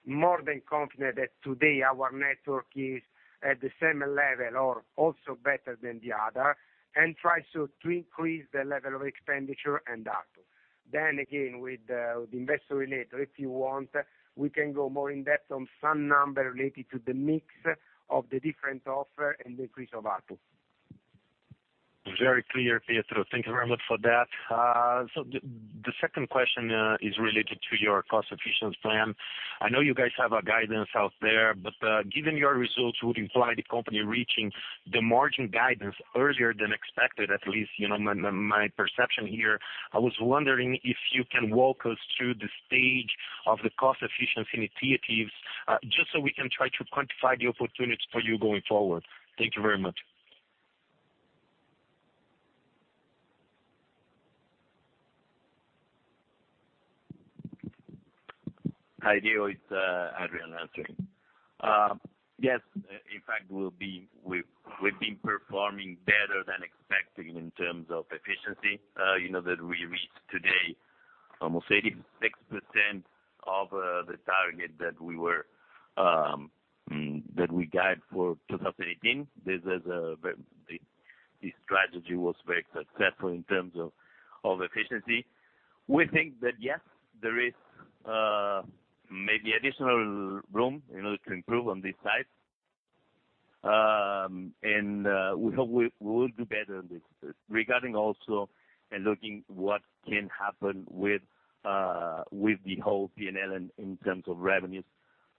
more than confident that today our network is at the same level or also better than the other, and try to increase the level of expenditure and ARPU. Again, with the Investor Relations, if you want, we can go more in depth on some numbers related to the mix of the different offer and increase of ARPU. Very clear, Pietro. Thank you very much for that. The second question is related to your cost-efficiency plan. I know you guys have a guidance out there, given your results would imply the company reaching the margin guidance earlier than expected, at least my perception here. I was wondering if you can walk us through the stage of the cost-efficiency initiatives, just so we can try to quantify the opportunities for you going forward. Thank you very much. Hi, Diego. It's Adrian answering. Yes, in fact, we've been performing better than expected in terms of efficiency. You know that we reached today almost 86% of the target that we guide for 2018. The strategy was very successful in terms of efficiency. We think that yes, there is maybe additional room in order to improve on this side. We hope we will do better on this. Regarding also and looking what can happen with the whole P&L in terms of revenues,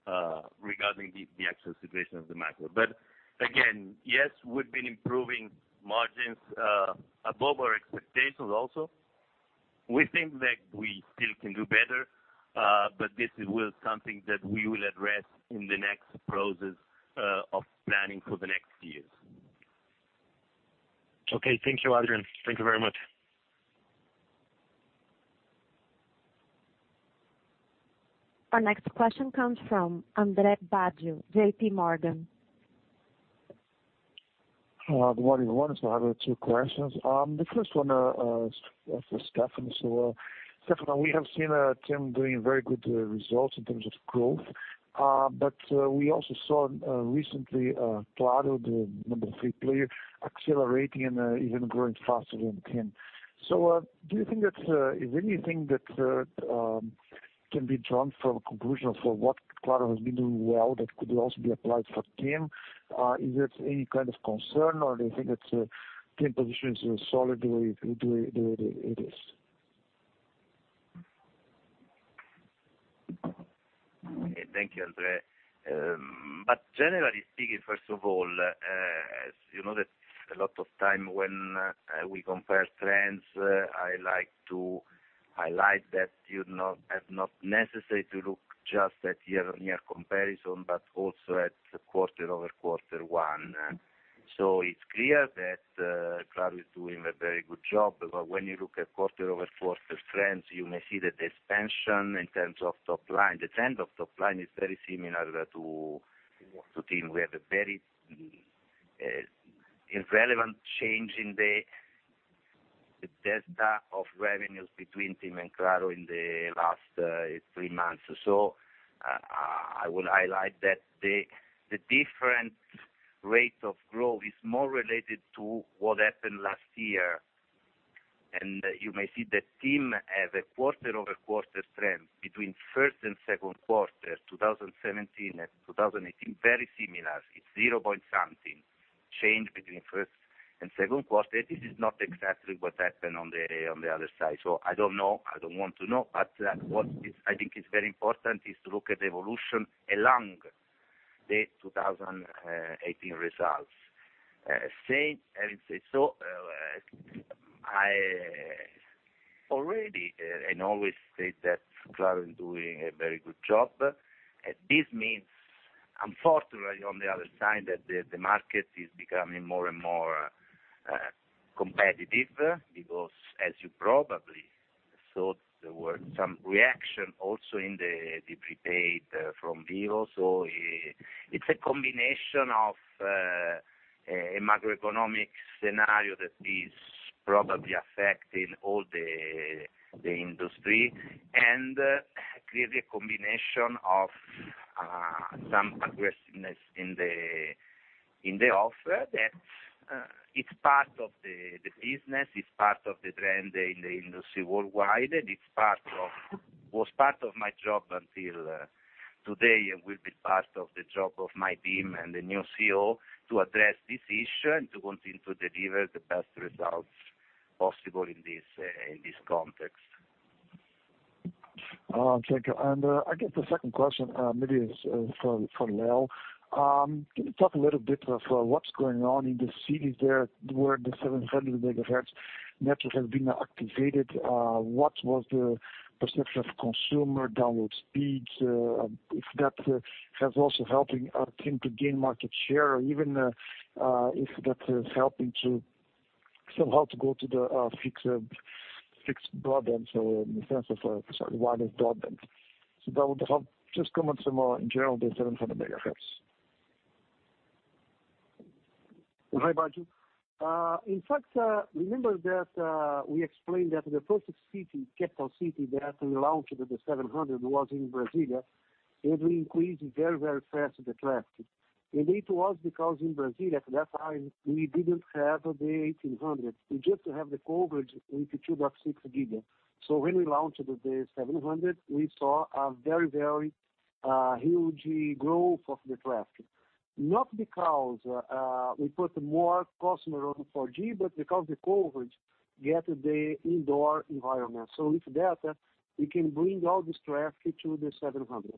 regarding the actual situation of the macro. Again, yes, we've been improving margins above our expectations also. We think that we still can do better, but this is something that we will address in the next process of planning for the next years. Okay. Thank you, Adrian. Thank you very much. Our next question comes from Andre Baggio, JP Morgan. Good morning, everyone. I have two questions. The first one is for Stefano. Stefano, we have seen TIM doing very good results in terms of growth, but we also saw recently Claro, the number 3 player, accelerating and even growing faster than TIM. Do you think that is anything that can be drawn from conclusion for what Claro has been doing well that could also be applied for TIM? Is it any kind of concern, or do you think that TIM position is solid the way it is? Thank you, Andre. Generally speaking, first of all, you know that a lot of time when we compare trends, I like to highlight that you're not necessary to look just at year-over-year comparison, but also at quarter-over-quarter one. It's clear that Claro is doing a very good job, but when you look at quarter-over-quarter trends, you may see that the expansion in terms of top line, the trend of top line is very similar to TIM. We have a very irrelevant change in the delta of revenues between TIM and Claro in the last three months. I would highlight that the different rate of growth is more related to what happened last year. You may see that TIM has a quarter-over-quarter trend between first and second quarter 2017 and 2018, very similar. It's zero point something change between first and second quarter. This is not exactly what happened on the other side. I don't know. I don't want to know. What I think is very important is to look at the evolution along the 2018 results. Having said so, I already and always state that Claro is doing a very good job. This means, unfortunately, on the other side, that the market is becoming more and more competitive because as you probably thought, there were some reaction also in the prepaid from Vivo. It's a combination of a macroeconomic scenario that is probably affecting all the industry and clearly a combination of some aggressiveness in the offer that it's part of the business, it's part of the trend in the industry worldwide, and it was part of my job until today and will be part of the job of my team and the new CEO to address this issue and to continue to deliver the best results possible in this context. Thank you. I guess the second question maybe is for Leo. Can you talk a little bit of what's going on in the cities there where the 700 MHz network has been activated? What was the perception of consumer download speeds? If that has also helping TIM to gain market share or even if that is helping to somehow to go to the fixed broadband. In the sense of wireless broadband. Just comment some more in general, the 700 MHz. Hi, Baggio. In fact, remember that we explained that the first city, capital city that we launched the 700 was in Brasília, we increased very fast the traffic. It was because in Brasília at that time, we didn't have the 1800. We just have the coverage with 2.6 GHz. When we launched the 700, we saw a very huge growth of the traffic, not because we put more customer on 4G, but because the coverage get the indoor environment. With that, we can bring all this traffic to the 700.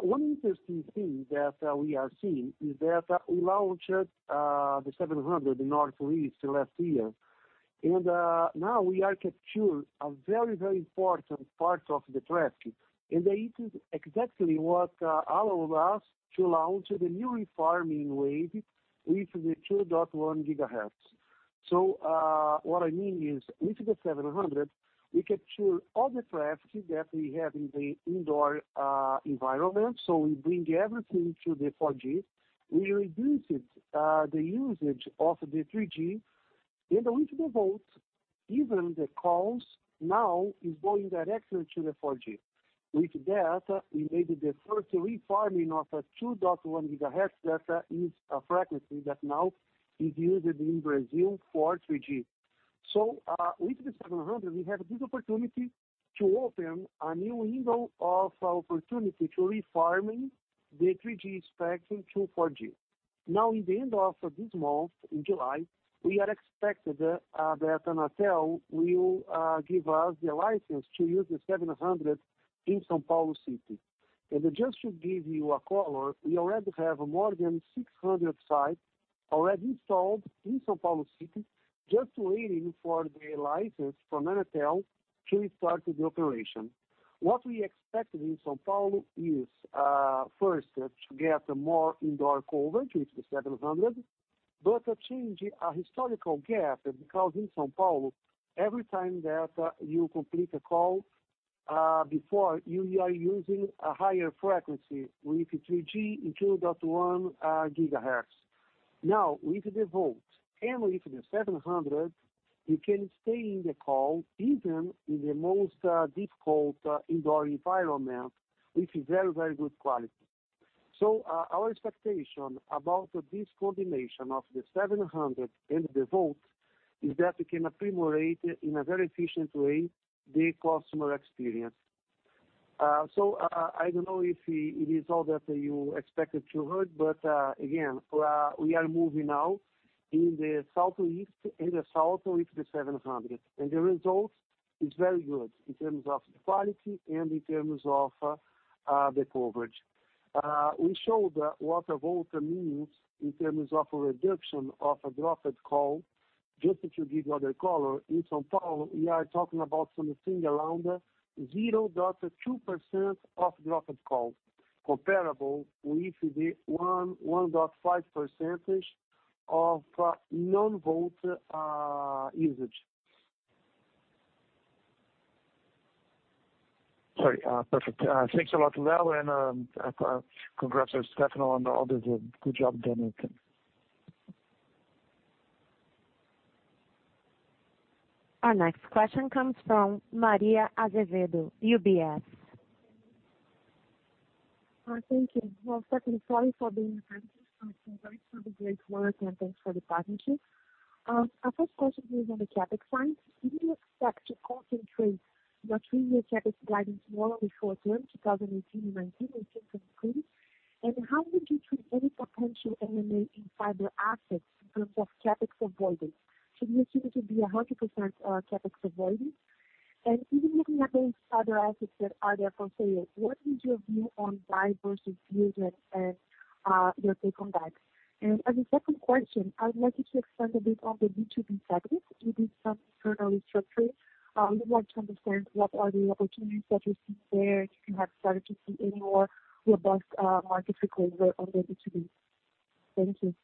One interesting thing that we are seeing is that we launched the 700 Northeast last year, now we are capturing a very important part of the traffic. It is exactly what allowed us to launch the new refarming wave with the 2.1 GHz. What I mean is with the 700, we capture all the traffic that we have in the indoor environment. We bring everything to the 4G. We reduced the usage of the 3G and with the VoLTE, even the calls now is going directly to the 4G. With that, we made the first refarming of a 2.1 GHz data is a frequency that now is used in Brazil for 3G. With the 700, we have this opportunity to open a new window of opportunity to refarming the 3G spectrum to 4G. In the end of this month, in July, we are expected that Anatel will give us the license to use the 700 in São Paulo City. Just to give you a color, we already have more than 600 sites already installed in São Paulo City just waiting for the license from Anatel to restart the operation. What we expect in São Paulo is, first, to get more indoor coverage with the 700 Change a historical gap, because in São Paulo, every time that you complete a call, before you are using a higher frequency with 3G in 2.1 GHz. With the VoLTE and with the 700, you can stay in the call even in the most difficult indoor environment with very good quality. Our expectation about this combination of the 700 and the VoLTE is that we can improve in a very efficient way, the customer experience. I don't know if it is all that you expected to hear, but again, we are moving now in the southeast with the 700. The result is very good in terms of the quality and in terms of the coverage. We showed what a VoLTE means in terms of a reduction of a dropped call. Just to give you other color, in São Paulo, we are talking about something around 0.2% of dropped calls, comparable with the 1.5% of non-VoLTE usage. Sorry. Perfect. Thanks a lot, Leo, congrats to Stefano and others. Good job done. Our next question comes from Maria Azevedo, UBS. Thank you. Secondly, sorry for being six. Congratulations for the great work, thanks for the partnership. Our first question is on the CapEx side. Do you expect to concentrate your three-year CapEx guidance more on the fourth term, 2018 and 2019, than 2020? How would you treat any potential M&A in fiber assets in terms of CapEx avoidance? Should we assume it will be 100% CapEx avoidance? Even looking at those other assets that are there for sale, what is your view on buy versus build and your take on that? As a second question, I would like you to expand a bit on the B2B segment. You did some internal restructuring. We want to understand what are the opportunities that you see there and if you have started to see any more robust market recovery on the B2B. Thank you.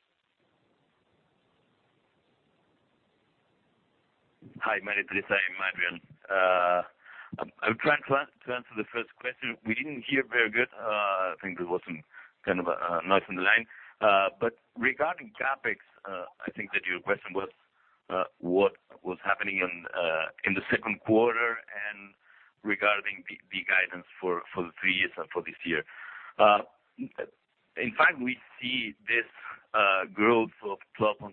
Hi, Maria. This is Adrian. I'll try to answer the first question. We didn't hear very good. I think there was some kind of a noise on the line. Regarding CapEx, I think that your question was what was happening in the second quarter and regarding the guidance for the three years and for this year. In fact, we see this growth of 12.5%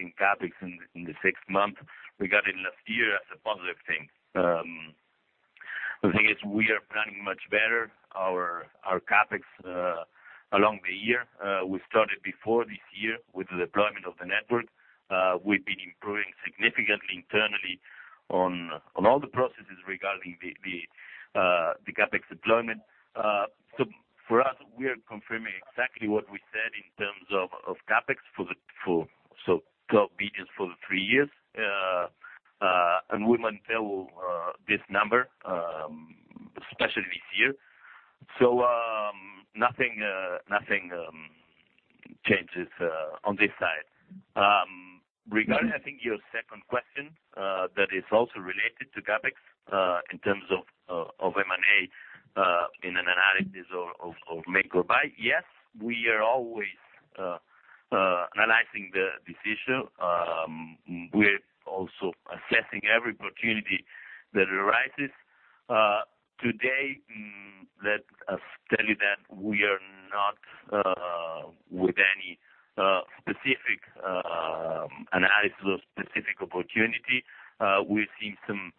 in CapEx in the six months regarding last year as a positive thing. The thing is we are planning much better our CapEx along the year. We started before this year with the deployment of the network. We've been improving significantly internally on all the processes regarding the CapEx deployment. For us, we are confirming exactly what we said in terms of CapEx for the full 12 digits for the three years, and we maintain this number, especially this year. Nothing changes on this side. Regarding, I think, your second question, that is also related to CapEx, in terms of M&A in an analysis of make or buy. Yes, we are always analyzing this issue. We're also assessing every opportunity that arises. Today, let us tell you that we are not with any specific analysis of specific opportunity. We've seen some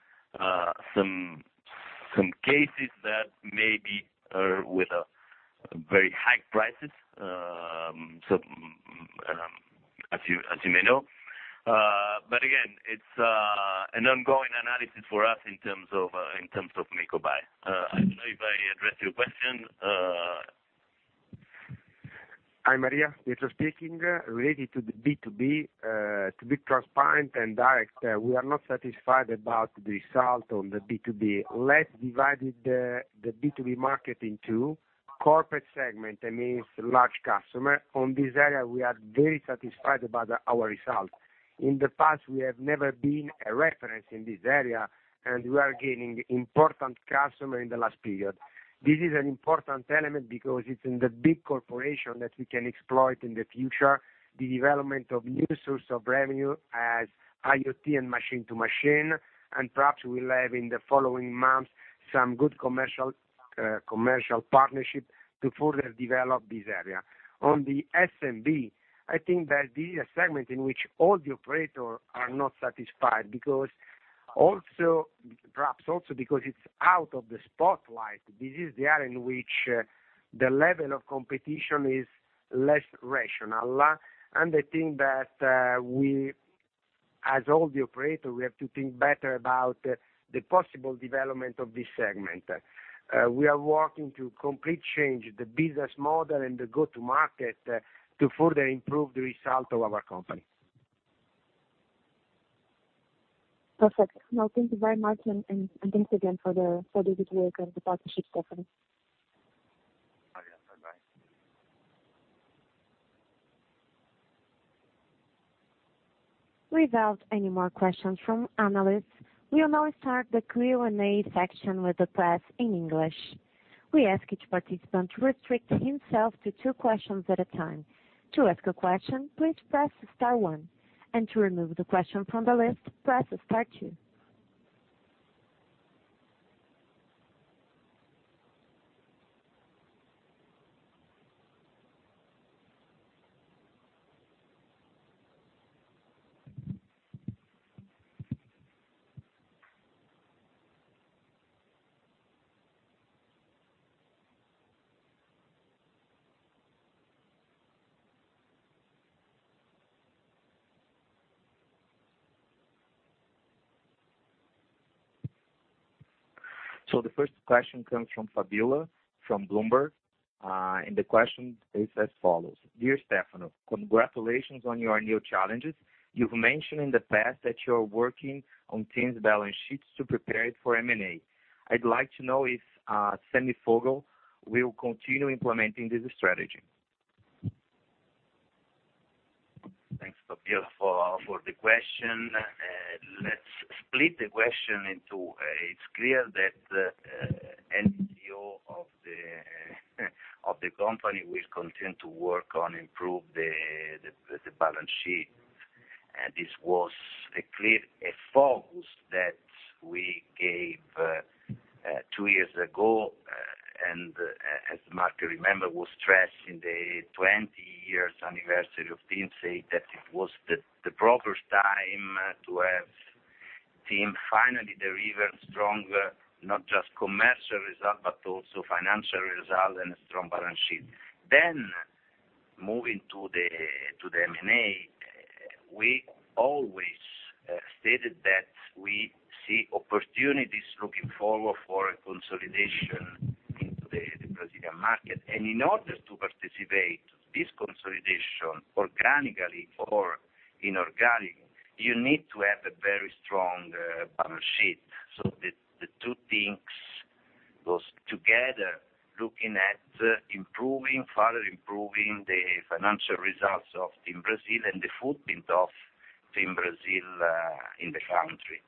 cases that maybe are with very high prices, as you may know. Again, it's an ongoing analysis for us in terms of make or buy. I don't know if I addressed your question. Hi, Maria. Pietro speaking. Related to the B2B, to be transparent and direct, we are not satisfied about the result on the B2B. Let's divide the B2B market in two. Corporate segment, that means large customer. On this area, we are very satisfied about our result. In the past, we have never been a reference in this area, and we are gaining important customer in the last period. This is an important element because it's in the big corporation that we can exploit in the future the development of new source of revenue as IoT and Machine to Machine, and perhaps we'll have in the following months, some good commercial partnership to further develop this area. On the SMB, I think that this is a segment in which all the operator are not satisfied, perhaps also because it's out of the spotlight. This is the area in which the level of competition is less rational. I think that as all the operator, we have to think better about the possible development of this segment. We are working to complete change the business model and the go-to-market to further improve the result of our company. Perfect. No, thank you very much, and thanks again for the good work and the partnership, Stefano. Bye. Bye-bye. Without any more questions from analysts, we'll now start the Q&A section with the press in English. We ask each participant to restrict himself to two questions at a time. To ask a question, please press star one, and to remove the question from the list, press star two. The first question comes from Fabiola from Bloomberg, and the question is as follows: "Dear Stefano, congratulations on your new challenges. You've mentioned in the past that you're working on TIM's balance sheets to prepare it for M&A. I'd like to know if Sami Foguel will continue implementing this strategy. Thanks, Fabiola, for the question. It's clear that any CEO of the company will continue to work on improve the balance sheet. This was a clear focus that we gave two years ago, and as the market remember, was stressed in the 20 years anniversary of TIM, say that it was the proper time to have TIM finally deliver strong, not just commercial result, but also financial result and a strong balance sheet. Moving to the M&A, we always stated that we see opportunities looking forward for a consolidation into the Brazilian market. In order to participate this consolidation organically or inorganic, you need to have a very strong balance sheet. The two things goes together looking at further improving the financial results of TIM Brasil and the footprint of TIM Brasil in the country.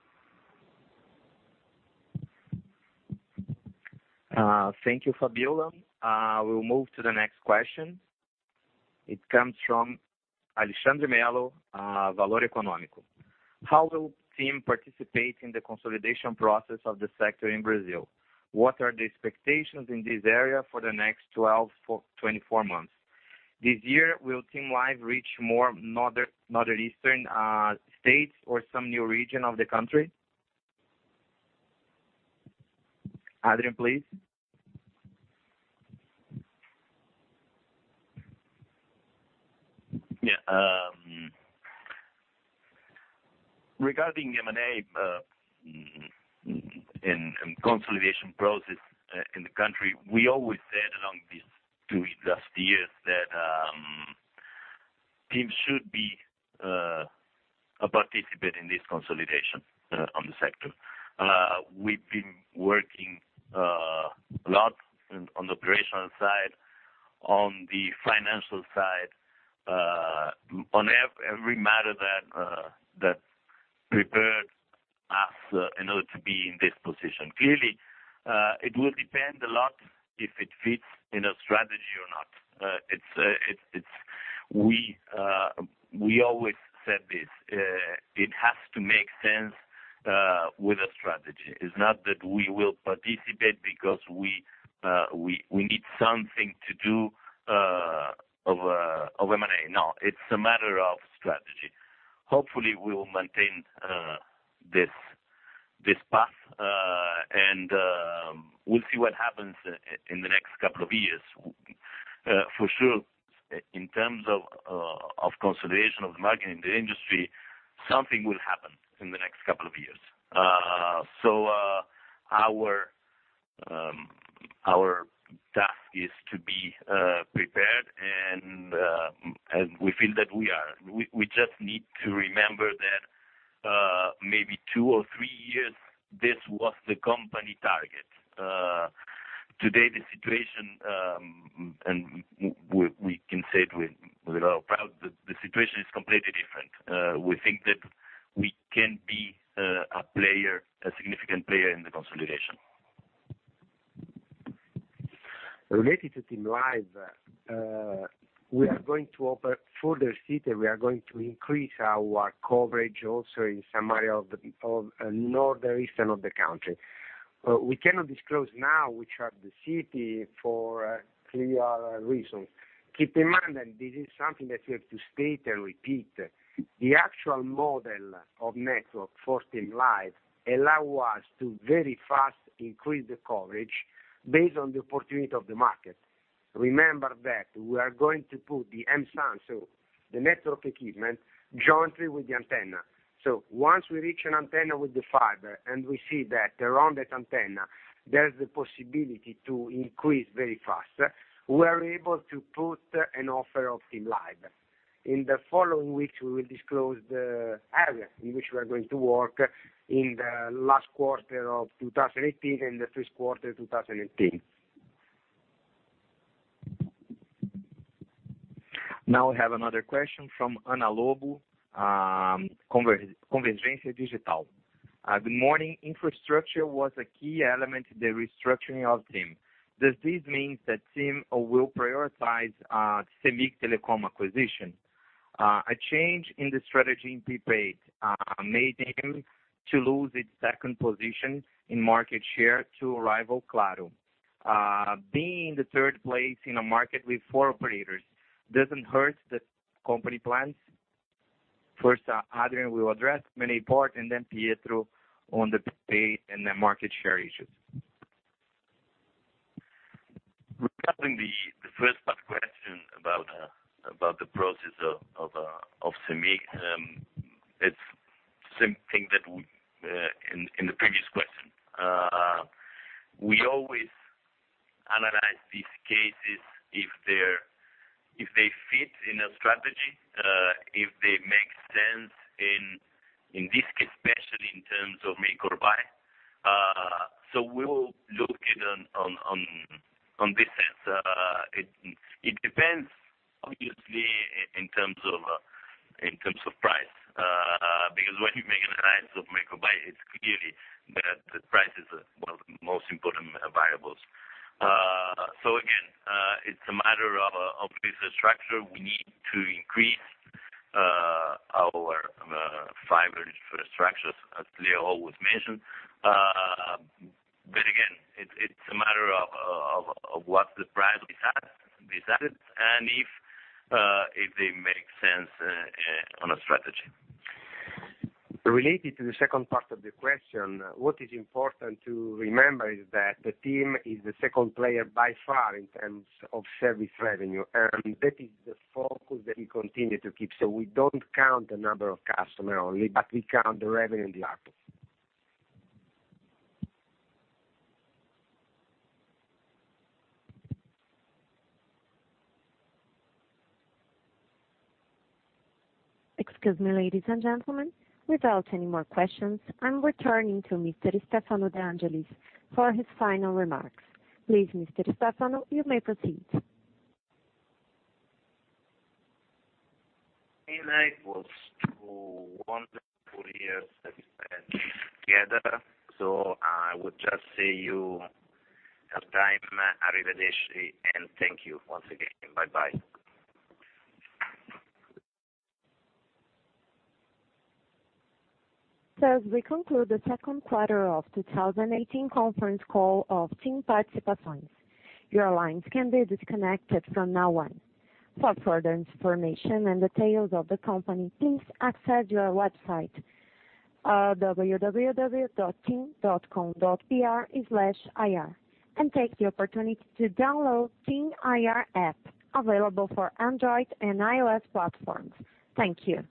Thank you, Fabiola. We'll move to the next question. It comes from Alexandre Melo, Valor Econômico. "How will TIM participate in the consolidation process of the sector in Brazil? What are the expectations in this area for the next 12 to 24 months? This year, will TIM Live reach more Northeastern states or some new region of the country?" Adrian, please. Regarding M&A, and consolidation process in the country, we always said along these two last years that TIM should be a participant in this consolidation on the sector. We've been working a lot on the operational side, on the financial side, on every matter that prepared us in order to be in this position. Clearly, it will depend a lot if it fits in our strategy or not. We always said this. It has to make sense with our strategy. It's not that we will participate because we need something to do of M&A. No. It's a matter of strategy. Hopefully, we will maintain this path, and we'll see what happens in the next couple of years. For sure, in terms of consolidation of the market in the industry, something will happen in the next couple of years. Our task is to be prepared, and we feel that we are. We just need to remember that maybe two or three years, this was the company target. Today, the situation, and we can say it with a lot of pride, the situation is completely different. We think that we can be a significant player in the consolidation. Related to TIM Live, we are going to offer further city. We are going to increase our coverage also in some area of Northeastern of the country. We cannot disclose now which are the city for clear reasons. Keep in mind that this is something that we have to state and repeat. The actual model of network for TIM Live allow us to very fast increase the coverage based on the opportunity of the market. Remember that we are going to put the MSAN, so the network equipment, jointly with the antenna. Once we reach an antenna with the fiber and we see that around that antenna, there's the possibility to increase very fast, we are able to put an offer of TIM Live. In the following weeks, we will disclose the area in which we are going to work in the last quarter of 2018 and the first quarter 2019. We have another question from Ana Lobo, Convergência Digital. "Good morning. Infrastructure was a key element in the restructuring of TIM. Does this mean that TIM will prioritize CEMIG Telecom acquisition? A change in the strategy in prepaid made TIM to lose its second position in market share to rival Claro. Being in the third place in a market with four operators, does it hurt the company plans?" First, Adrian will address the main part and then Pietro on the prepaid and the market share issues. Regarding the first part question about the process of CEMIG, it's the same thing in the previous question. We always analyze these cases if they fit in our strategy, if they make sense in this case, especially in terms of make or buy. We will look it on this sense. It depends, obviously, in terms of price, because when you make an analysis of make or buy, it's clearly that the price is one of the most important variables. Again, it's a matter of infrastructure. We need to increase our fiber infrastructures, as Leo always mention. Again, it's a matter of what the price we set it and if they make sense on a strategy. Related to the second part of the question, what is important to remember is that TIM is the second player by far in terms of service revenue, and that is the focus that we continue to keep. We don't count the number of customers only, but we count the revenue in the ARPU. Excuse me, ladies and gentlemen. Without any more questions, I'm returning to Mr. Stefano De Angelis for his final remarks. Please, Mr. Stefano, you may proceed. It was two wonderful years that we spent together, so I would just say to you, "Arrivederci, and thank you once again. Bye-bye. As we conclude the second quarter of 2018 conference call of TIM Participações, your lines can be disconnected from now on. For further information and details of the company, please access our website, www.tim.com.br/ir, and take the opportunity to download TIM IR app, available for Android and iOS platforms. Thank you.